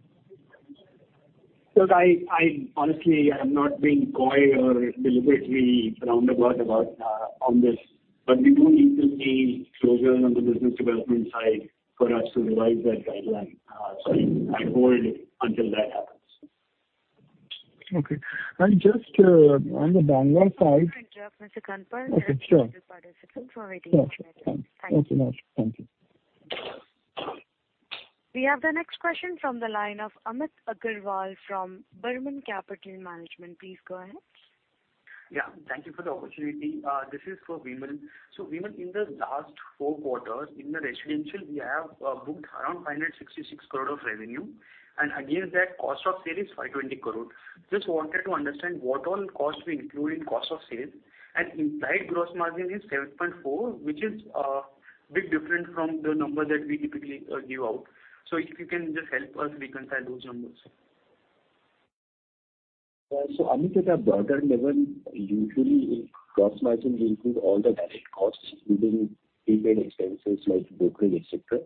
Look, honestly, I'm not being coy or deliberately roundabout on this, but we do need to see closures on the business development side for us to revise that guideline. So I'd hold until that happens. Okay. And just on the Bangalore side. Can I interrupt, Mr. Kandpal? Okay. Sure. Is the participant already connected? Yeah. Sure. Thank you. Okay. Thank you. We have the next question from the line of Amit Agarwal from Burman Capital Management. Please go ahead. Yeah. Thank you for the opportunity. This is for Vimal. So Vimal, in the last four quarters, in the residential, we have booked around 566 crore of revenue. And against that, cost of sale is 520 crore. Just wanted to understand what all costs we include in cost of sale. And implied gross margin is 7.4%, which is a bit different from the number that we typically give out. So if you can just help us reconcile those numbers. Yeah. So Amit said at a broader level, usually, gross margin will include all the direct costs, including prepaid expenses like brokerage, etc.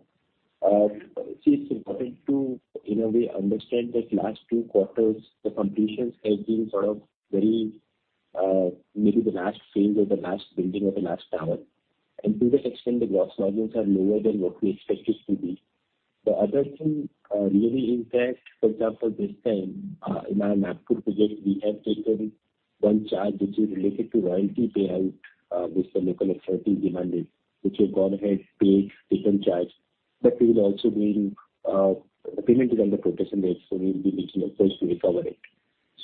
See, it's important to, in a way, understand that last two quarters, the completions have been sort of very maybe the last phase or the last building or the last tower. And to that extent, the gross margins are lower than what we expected to be. The other thing really is that, for example, this time, in our Nagpur project, we have taken one charge which is related to royalty payout which the local authorities demanded, which we have gone ahead, paid, taken charge. But we will also bring the payment is under protest in there, so we will be making efforts to recover it.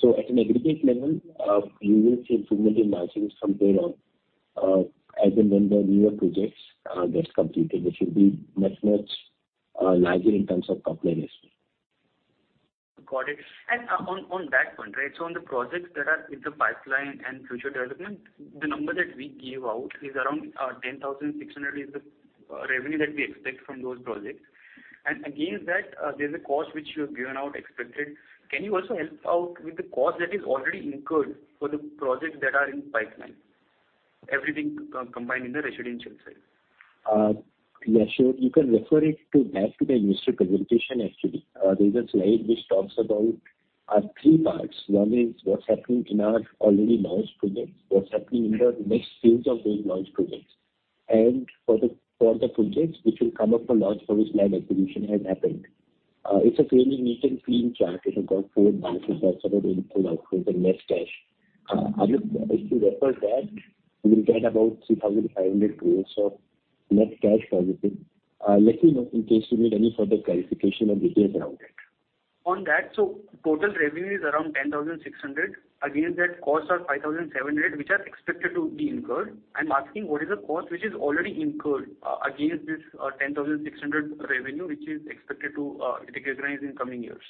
So at an aggregate level, you will see improvement in margins from here on as and when the newer projects get completed. It will be much, much larger in terms of top line estimate. Got it. And on that point, right, so on the projects that are in the pipeline and future development, the number that we gave out is around 10,600 is the revenue that we expect from those projects. And against that, there's a cost which you have given out expected. Can you also help out with the cost that is already incurred for the projects that are in pipeline, everything combined in the residential side? Yeah. Sure. You can refer it back to the initial presentation, actually. There's a slide which talks about three parts. One is what's happening in our already launched project, what's happening in the next phase of those launched projects, and for the projects which will come up for launch for which land acquisition has happened. It's a fairly neat and clean chart. It has got four balances, that's sort of input, output, and net cash. Amit, if you refer that, you will get about 3,500 crore of net cash positive. Let me know in case you need any further clarification or details around it. On that, so total revenue is around 10,600. Against that, costs are 5,700 which are expected to be incurred. I'm asking, what is the cost which is already incurred against this 10,600 revenue which is expected to recognize in coming years?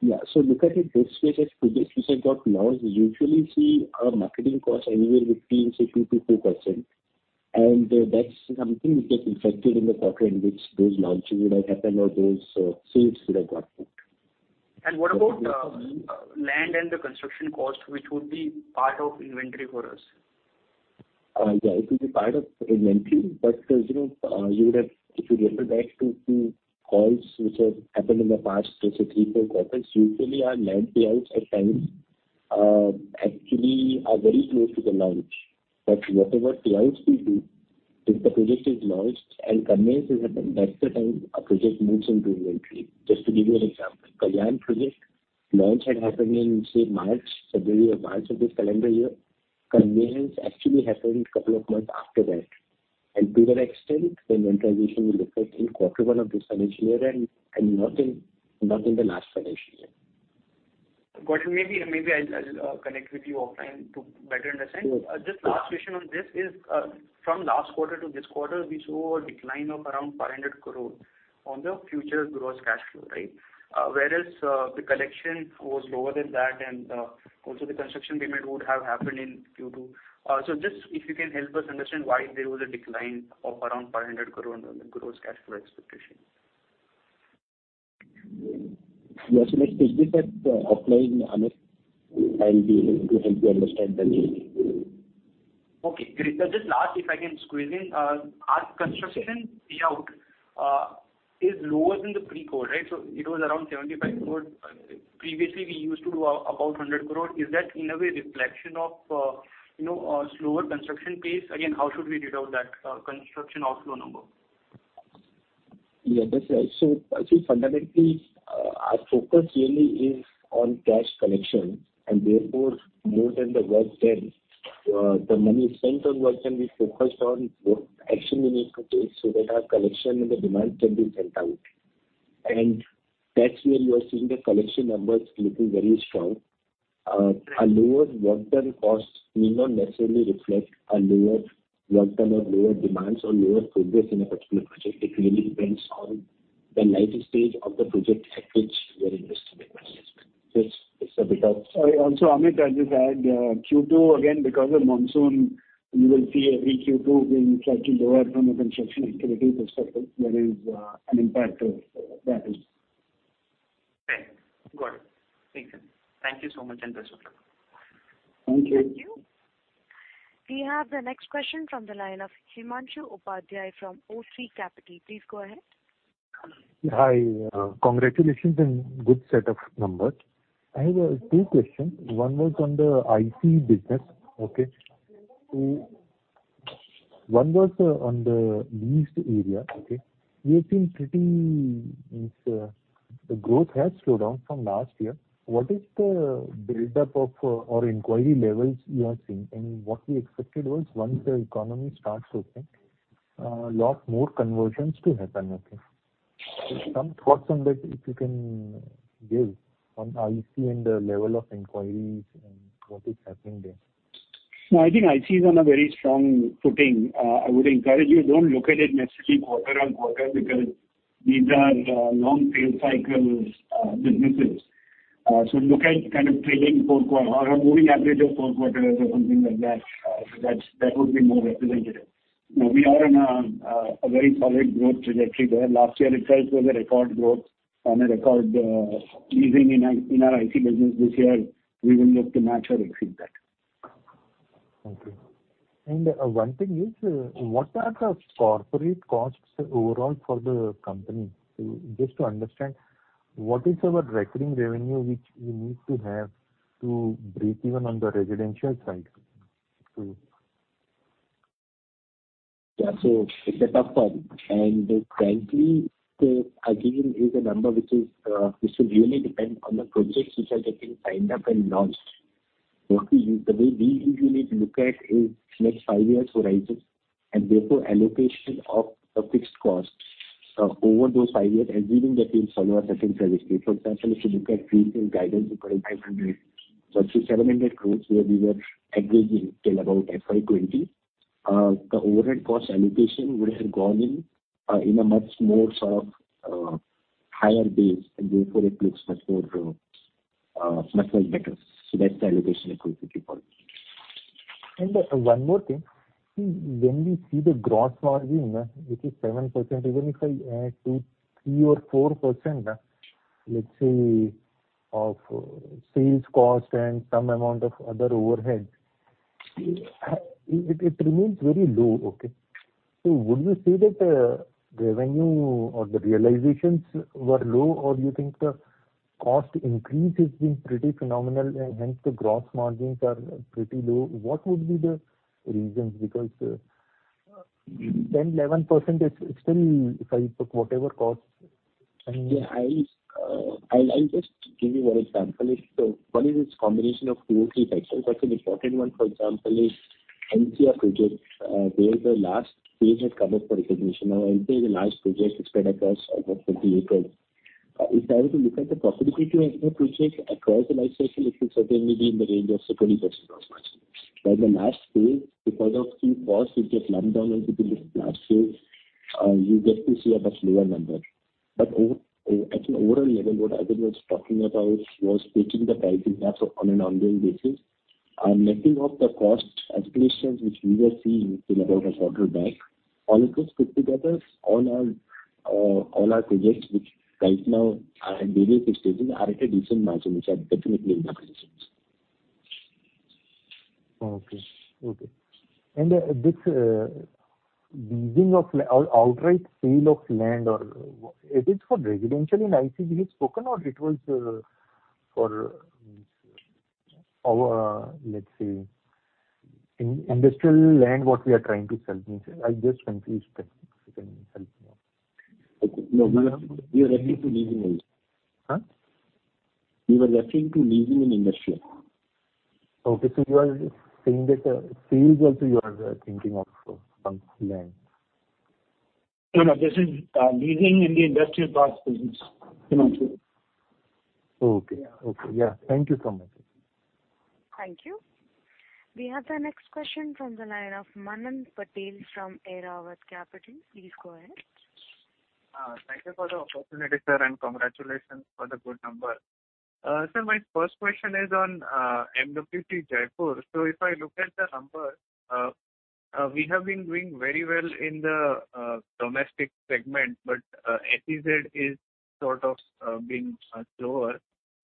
Yeah. So look at it this way. Just projects which have got launched, usually, see, our marketing costs anywhere between, say, 2%-4%. And that's something which gets reflected in the quarter in which those launches would have happened or those sales would have got booked. What about land and the construction cost which would be part of inventory for us? Yeah. It will be part of inventory, but you would have if you refer back to the calls which have happened in the past, say, 3, 4 quarters, usually, our land payouts at times actually are very close to the launch. But whatever payouts we do, if the project is launched and conveyance has happened, that's the time a project moves into inventory. Just to give you an example, Kalyan project launch had happened in, say, March, February or March of this calendar year. Conveyance actually happened a couple of months after that. And to that extent, the inventorization will affect in quarter one of this financial year and not in the last financial year. Got it. Maybe I'll connect with you offline to better understand. Just last question on this is, from last quarter to this quarter, we saw a decline of around 500 crore on the future gross cash flow, right? Whereas the collection was lower than that, and also the construction payment would have happened in Q2. So just if you can help us understand why there was a decline of around 500 crore on the gross cash flow expectation. Yeah. So let's take this offline, Amit, and be able to help you understand that, please. Okay. Great. Just last, if I can squeeze in, our construction payout is lower than the pre-COVID, right? So it was around 75 crore. Previously, we used to do about 100 crore. Is that, in a way, a reflection of a slower construction pace? Again, how should we read out that construction outflow number? Yeah. That's right. So fundamentally, our focus really is on cash collection. And therefore, more than the work then, the money spent on work then, we focused on what action we need to take so that our collection and the demands can be sent out. And that's where you are seeing the collection numbers looking very strong. A lower work done cost may not necessarily reflect a lower work done or lower demands or lower progress in a particular project. It really depends on the later stage of the project at which we are investing the money as well. So it's a bit of. Also, Amit, I'll just add, Q2, again, because of monsoon, you will see every Q2 being slightly lower from a construction activity perspective. There is an impact of that as well. Okay. Got it. Makes sense. Thank you so much, Amit Shukla. Thank you. Thank you. We have the next question from the line of Himanshu Upadhyay from O3 Capital. Please go ahead. Hi. Congratulations and good set of numbers. I have two questions. One was on the IC business, okay? One was on the leased area, okay? We have seen the growth has slowed down from last year. What is the buildup of or inquiry levels you are seeing? And what we expected was once the economy starts opening, a lot more conversions to happen, okay? So some thoughts on that if you can give on IC and the level of inquiries and what is happening there. No, I think IC is on a very strong footing. I would encourage you, don't look at it necessarily quarter on quarter because these are long sales cycles businesses. So look at kind of trailing four quarter or moving average of four quarters or something like that. That would be more representative. Now, we are on a very solid growth trajectory there. Last year, itself, was a record growth and a record leasing in our IC business. This year, we will look to match or exceed that. Okay. One thing is, what are the corporate costs overall for the company? Just to understand, what is our recurring revenue which we need to have to break even on the residential side, please? Yeah. So it's a tough one. And frankly, again, it's a number which will really depend on the projects which are getting signed up and launched. The way we usually look at is next five years horizon and therefore allocation of a fixed cost over those five years, assuming that we will follow a certain trajectory. For example, if you look at pre-sale guidance in 2,500 crore-700 crore where we were averaging till about FY20, the overhead cost allocation would have gone in a much more sort of higher base, and therefore, it looks much better. So that's the allocation approach that we follow. One more thing. See, when we see the gross margin, which is 7%, even if I add 2, 3, or 4%, let's say, of sales cost and some amount of other overhead, it remains very low, okay? Would you say that revenue or the realizations were low, or you think the cost increase has been pretty phenomenal and hence the gross margins are pretty low? What would be the reasons? Because 10, 11% is still, if I took whatever costs. Yeah. I'll just give you one example. So what is this combination of two or three factors? That's an important one. For example, it's the NCR project where the last phase had come up for recognition. Now, NCR is a large project spread across almost 50 acres. If I were to look at the profitability of the project across the life cycle, it will certainly be in the range of, say, 20% gross margin. But in the last phase, because of few costs, it gets lumped down into this large phase, you get to see a much lower number. But at an overall level, what I was talking about was taking the pricing up on an ongoing basis, mapping off the cost escalations which we were seeing till about a quarter back. All of this put together, all our projects which right now are at various stages are at a decent margin, which are definitely in the positions. Okay. Okay. And this leasing of outright sale of land, is it for residential in IC we have spoken, or it was for, let's say, industrial land what we are trying to sell? I just confused that. If you can help me out. Okay. No, we were referring to leasing also. Huh? We were referring to leasing in industrial. Okay. So you are saying that sales also you are thinking of from land? No, no. This is leasing in the industrial parts business. Himanshu. Okay. Okay. Yeah. Thank you so much. Thank you. We have the next question from the line of Manan Patel from Airavat Capital. Please go ahead. Thank you for the opportunity, sir, and congratulations for the good number. Sir, my first question is on Mahindra World City, Jaipur. So if I look at the numbers, we have been doing very well in the domestic segment, but SEZ is sort of being slower.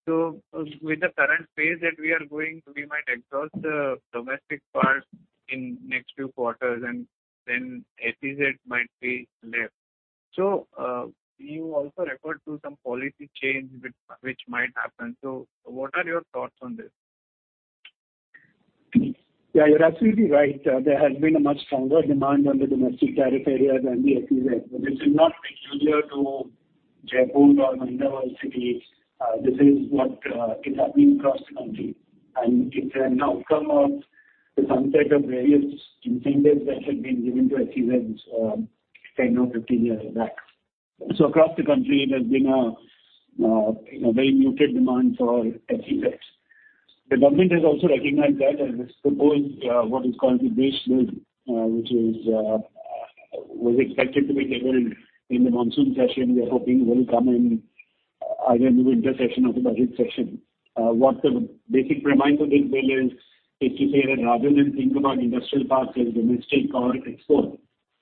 So with the current phase that we are going, we might exhaust the domestic part in the next few quarters, and then SEZ might be left. So you also referred to some policy change which might happen. So what are your thoughts on this? Yeah. You're absolutely right. There has been a much stronger demand on the domestic tariff area than the SEZ. But it's not peculiar to Jaipur or Mahindra World City. This is what is happening across the country. And it's an outcome of the sunset of various incentives that had been given to SEZ 10 or 15 years back. So across the country, there's been a very muted demand for SEZ. The government has also recognized that as this proposed what is called the DESH Bill, which was expected to be tabled in the monsoon session. We are hoping it will come in either in the winter session or the budget session. What the basic premise of this bill is, is to say that rather than think about industrial parts as domestic or export,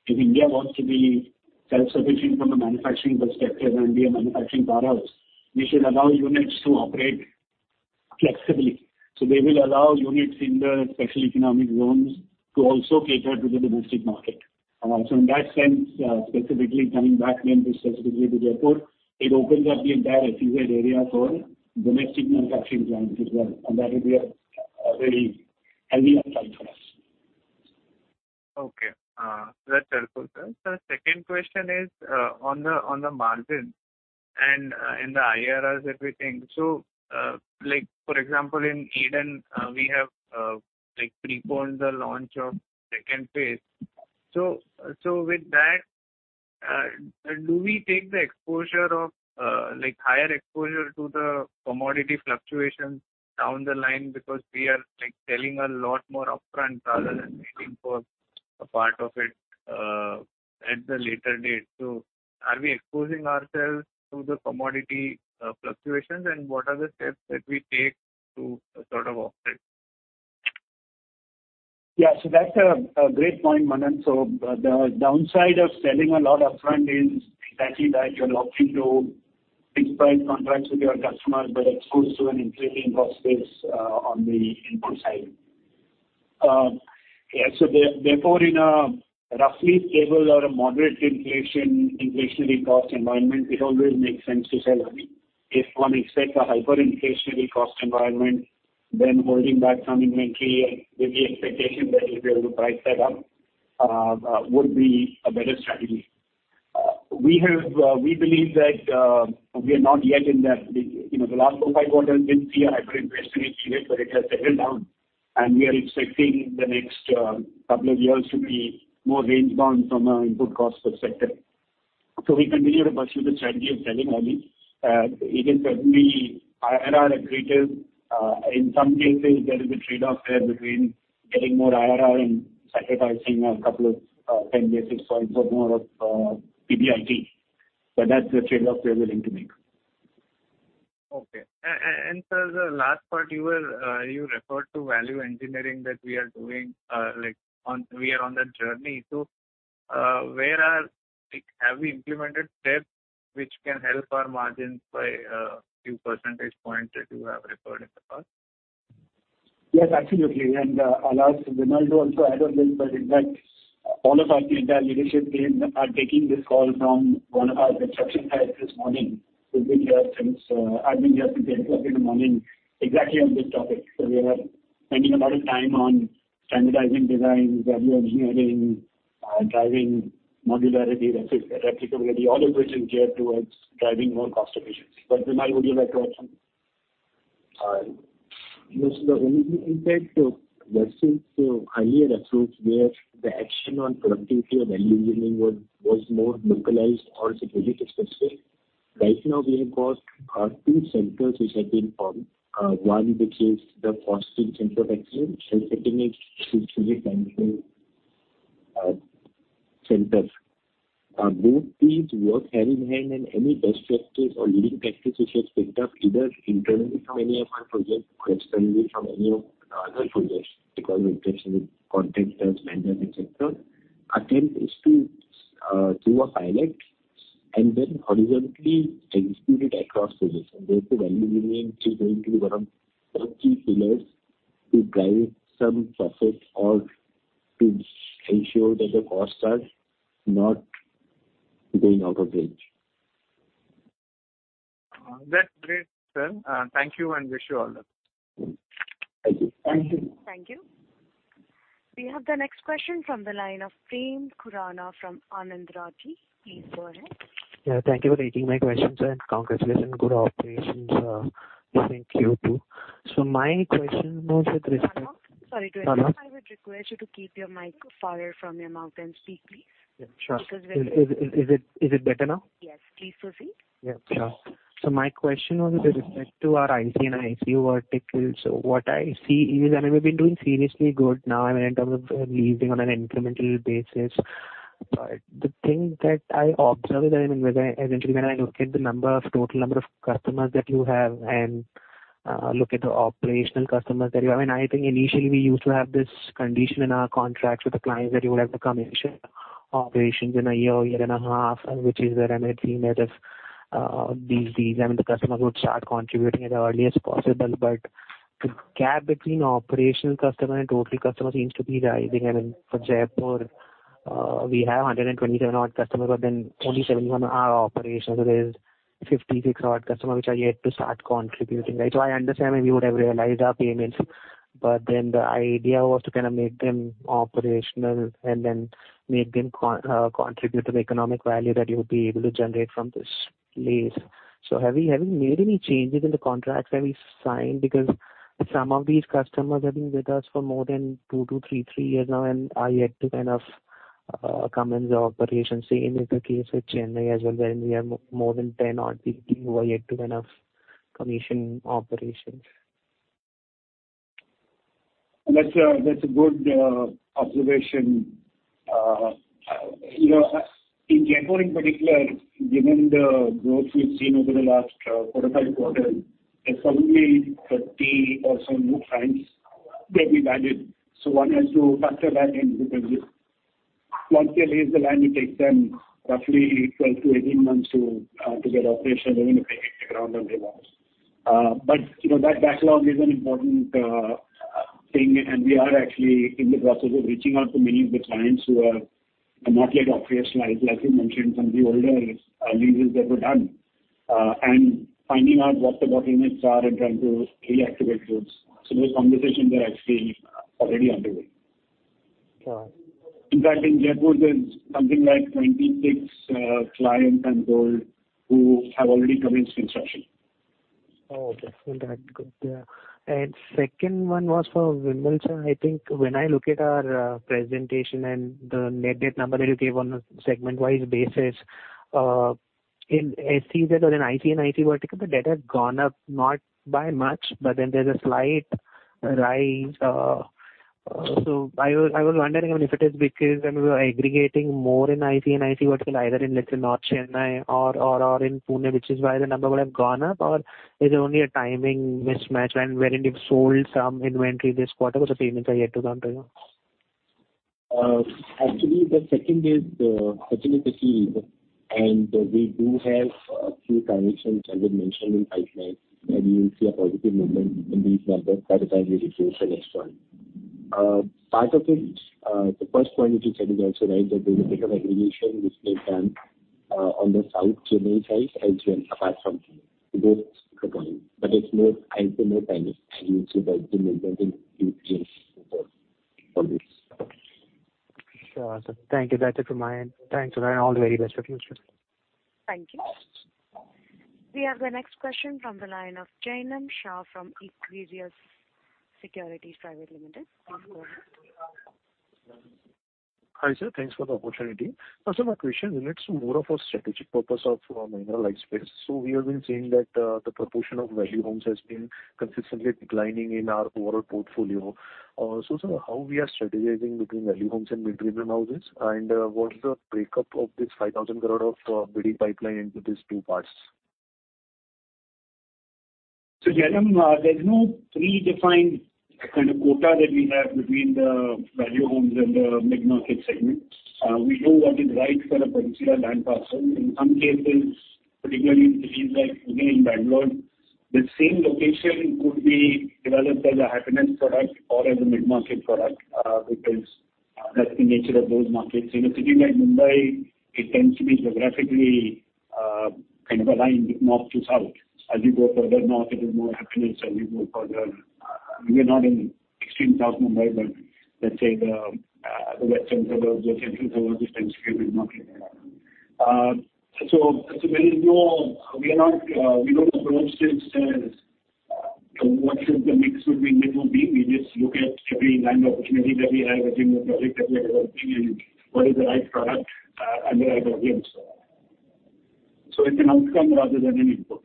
if India wants to be self-sufficient from a manufacturing perspective and be a manufacturing powerhouse, we should allow units to operate flexibly. So they will allow units in the special economic zones to also cater to the domestic market. So in that sense, specifically coming back then specifically to Jaipur, it opens up the entire SEZ area for domestic manufacturing plants as well. And that would be a very healthy upside for us. Okay. That's helpful, sir. Sir, second question is on the margin and in the IRRs and everything. So for example, in Eden, we have preponed the launch of second phase. So with that, do we take the exposure of higher exposure to the commodity fluctuations down the line because we are selling a lot more upfront rather than waiting for a part of it at the later date? So are we exposing ourselves to the commodity fluctuations, and what are the steps that we take to sort of offset? Yeah. So that's a great point, Manan. So the downside of selling a lot upfront is exactly that you're locked into fixed-price contracts with your customers, but it goes through an inflating cost base on the input side. Yeah. So therefore, in a roughly stable or a moderate inflationary cost environment, it always makes sense to sell early. If one expects a hyperinflationary cost environment, then holding back some inventory with the expectation that we'll be able to price that up would be a better strategy. We believe that we are not yet in that, the last four or five quarters, we didn't see a hyperinflationary period, but it has settled down. And we are expecting the next couple of years to be more range-bound from an input cost perspective. So we continue to pursue the strategy of selling early. It is certainly IRR-aggressive. In some cases, there is a trade-off there between getting more IRR and sacrificing a couple of 10 basis points or more of PBIT. That's the trade-off we are willing to make. Okay. And sir, the last part, you referred to value engineering that we are doing. We are on that journey. So have we implemented steps which can help our margins by a few percentage points that you have referred in the past? Yes, absolutely. Allow us, Vimal, to also add on this. But in fact, all of us in the entire leadership team are taking this call from one of our construction sites this morning. So we've been here since 10:00 A.M. exactly on this topic. So we are spending a lot of time on standardizing designs, value engineering, driving modularity, replicability, all of which is geared towards driving more cost efficiency. But Vimal, would you like to add something? Yes. The only thing is that Westfield's a highly read approach where the action on productivity or value engineering was more localized or security-specific. Right now, we have got two centers which have been formed. One which is the Costing Centre of Excellence. Scheduling is a central planning center. Both these work hand in hand, and any best practice or leading practice which has picked up either internally from any of our projects or externally from any of the other projects. Because of interest in contractors, vendors, etc., our attempt is to do a pilot and then horizontally execute it across projects. Therefore, value engineering is going to be one of the key pillars to drive some profit or to ensure that the costs are not going out of range. That's great, sir. Thank you and wish you all the best. Thank you. Thank you. We have the next question from the line of Prem Khurana from Anand Rathi. Please go ahead. Yeah. Thank you for taking my questions, sir, and congratulations on good operations. Thank you too. My question was with respect. One more? Sorry to interrupt. Sorry. I would request you to keep your mic farther from your mouth and speak, please. Yeah. Sure. Because we're. Is it better now? Yes. Please proceed. Yeah. Sure. So my question was with respect to our IC and IC verticals. So what I see is, and we've been doing seriously good now, I mean, in terms of leasing on an incremental basis. But the thing that I observed is that, I mean, eventually, when I look at the total number of customers that you have and look at the operational customers that you have, I mean, I think initially, we used to have this condition in our contracts with the clients that you would have the commission operations in a year, a year and a half, which is where, I mean, it seemed that if these, I mean, the customers would start contributing as early as possible. But the gap between operational customer and total customer seems to be rising. I mean, for Jaipur, we have 127-odd customers, but then only 71 are operational. So there's 56-odd customers which are yet to start contributing, right? I understand, I mean, we would have realized our payments. But then the idea was to kind of make them operational and then make them contribute to the economic value that you would be able to generate from this place. So have we made any changes in the contracts that we signed? Because some of these customers have been with us for more than two, three years now and are yet to kind of come into operation. Same is the case with Chennai as well, wherein we have more than 10-odd people who are yet to kind of commission operations. That's a good observation. In Jaipur, in particular, given the growth we've seen over the last four or five quarters, there's probably 30 or so new clients that we've added. So one has to factor that in because once they lease the land, it takes them roughly 12-18 months to get operational, even if they hit the ground on demand. But that backlog is an important thing. And we are actually in the process of reaching out to many of the clients who are not yet operationalized, like you mentioned, some of the older leases that were done, and finding out what the bottlenecks are and trying to reactivate those. So those conversations are actually already underway. Sure. In fact, in Jaipur, there's something like 26 clients I'm told who have already commenced construction. Oh, okay. And that's good. Yeah. And second one was for Vimal. I think when I look at our presentation and the net debt number that you gave on a segment-wise basis, in SEZ or in IC and IC vertical, the debt has gone up not by much, but then there's a slight rise. So I was wondering, I mean, if it is because, I mean, we are aggregating more in IC and IC vertical, either in, let's say, North Chennai or in Pune, which is why the number would have gone up, or is it only a timing mismatch wherein you've sold some inventory this quarter but the payments are yet to come through? Actually, the second is certainly the key reason. And we do have a few transactions I would mention in pipelines where we will see a positive movement in these numbers by the time we reach the next one. Part of it, the first point which you said is also, right, that there's a bit of aggregation which may have been done on the South Chennai side as well apart from Pune. So both are going. But I'd say more timing, as you would see the movement in Q3 and Q4 for this. Sure. So thank you. That's it from my end. Thanks, sir, and all the very best for future. Thank you. We have the next question from the line of Jainam Shah from Equirus Securities Private Limited. Please go ahead. Hi, sir. Thanks for the opportunity. Sir, my question relates to more of a strategic purpose of Mahindra Lifespace. We have been seeing that the proportion of value homes has been consistently declining in our overall portfolio. Sir, how are we strategizing between value homes and mid-range homes? And what's the breakup of this 5,000 crore booking pipeline into these two parts? So, Jainam, there's no predefined kind of quota that we have between the value homes and the mid-market segment. We know what is right for a particular land parcel. In some cases, particularly in cities like Pune and Bangalore, the same location could be developed as a Happinest product or as a mid-market product because that's the nature of those markets. In a city like Mumbai, it tends to be geographically kind of aligned north to south. As you go further north, it is more Happinest. As you go further, we are not in extreme south Mumbai, but let's say the western suburbs or central suburbs just tend to be a mid-market. So there is no we don't approach this as what should the mix would be and this will be. We just look at every land opportunity that we have within the project that we are developing and what is the right product and the right audience. It's an outcome rather than an input.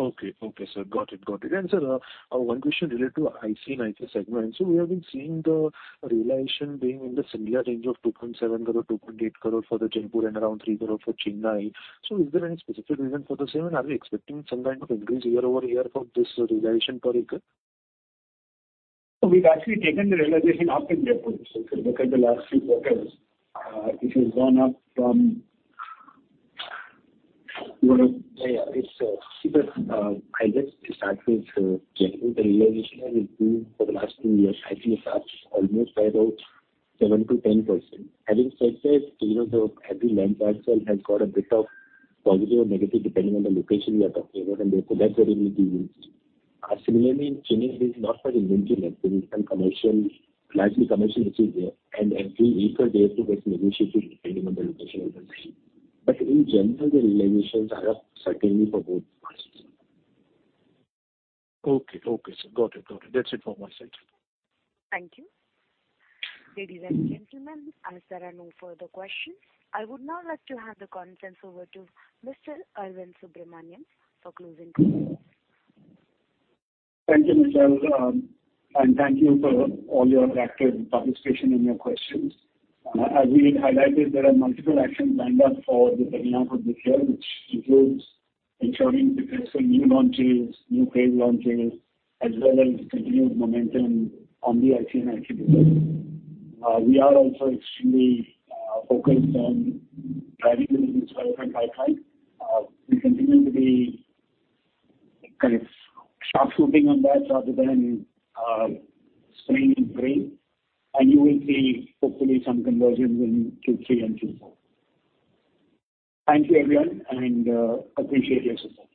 Okay. Okay. Sir, got it. Got it. And, sir, one question related to IC and IC segment. So we have been seeing the realization being in the similar range of INR 2.7 crore, INR 2.8 crore for the Jaipur and around INR 3 crore for Chennai. So is there any specific reason for the same, and are we expecting some kind of increase year-over-year for this realization per acre? We've actually taken the realization up in Jaipur. If you look at the last few quarters, it has gone up from what a. Yeah. Yeah. I'll just start with Jaipur. The realization has improved for the last two years. I think it's up almost by about 7%-10%. Having said that, every land parcel has got a bit of positive or negative depending on the location we are talking about. And therefore, that's where we need to see. Similarly, in Chennai, there's not much inventory left. There is some commercial largely commercial which is there. And every acre, therefore, gets negotiated depending on the location of the land. But in general, the realizations are up certainly for both parts. Okay. Okay. Sir, got it. Got it. That's it from my side. Thank you, ladies and gentlemen. As there are no further questions, I would now like to hand the session over to Mr. Arvind Subramanian for closing questions. Thank you, Michelle. Thank you for all your active participation in your questions. As we had highlighted, there are multiple actions lined up for the turning-off of this year, which includes ensuring successful new launches, new phase launches, as well as continued momentum on the IC & IC business. We are also extremely focused on driving the business development pipeline. We continue to be kind of sharpshooting on that rather than spray and pray. You will see, hopefully, some conversions in Q3 and Q4. Thank you, everyone, and appreciate your support.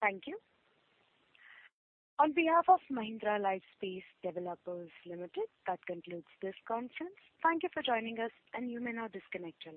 Thank you. On behalf of Mahindra Lifespace Developers Limited, that concludes this conference. Thank you for joining us, and you may now disconnect, sir.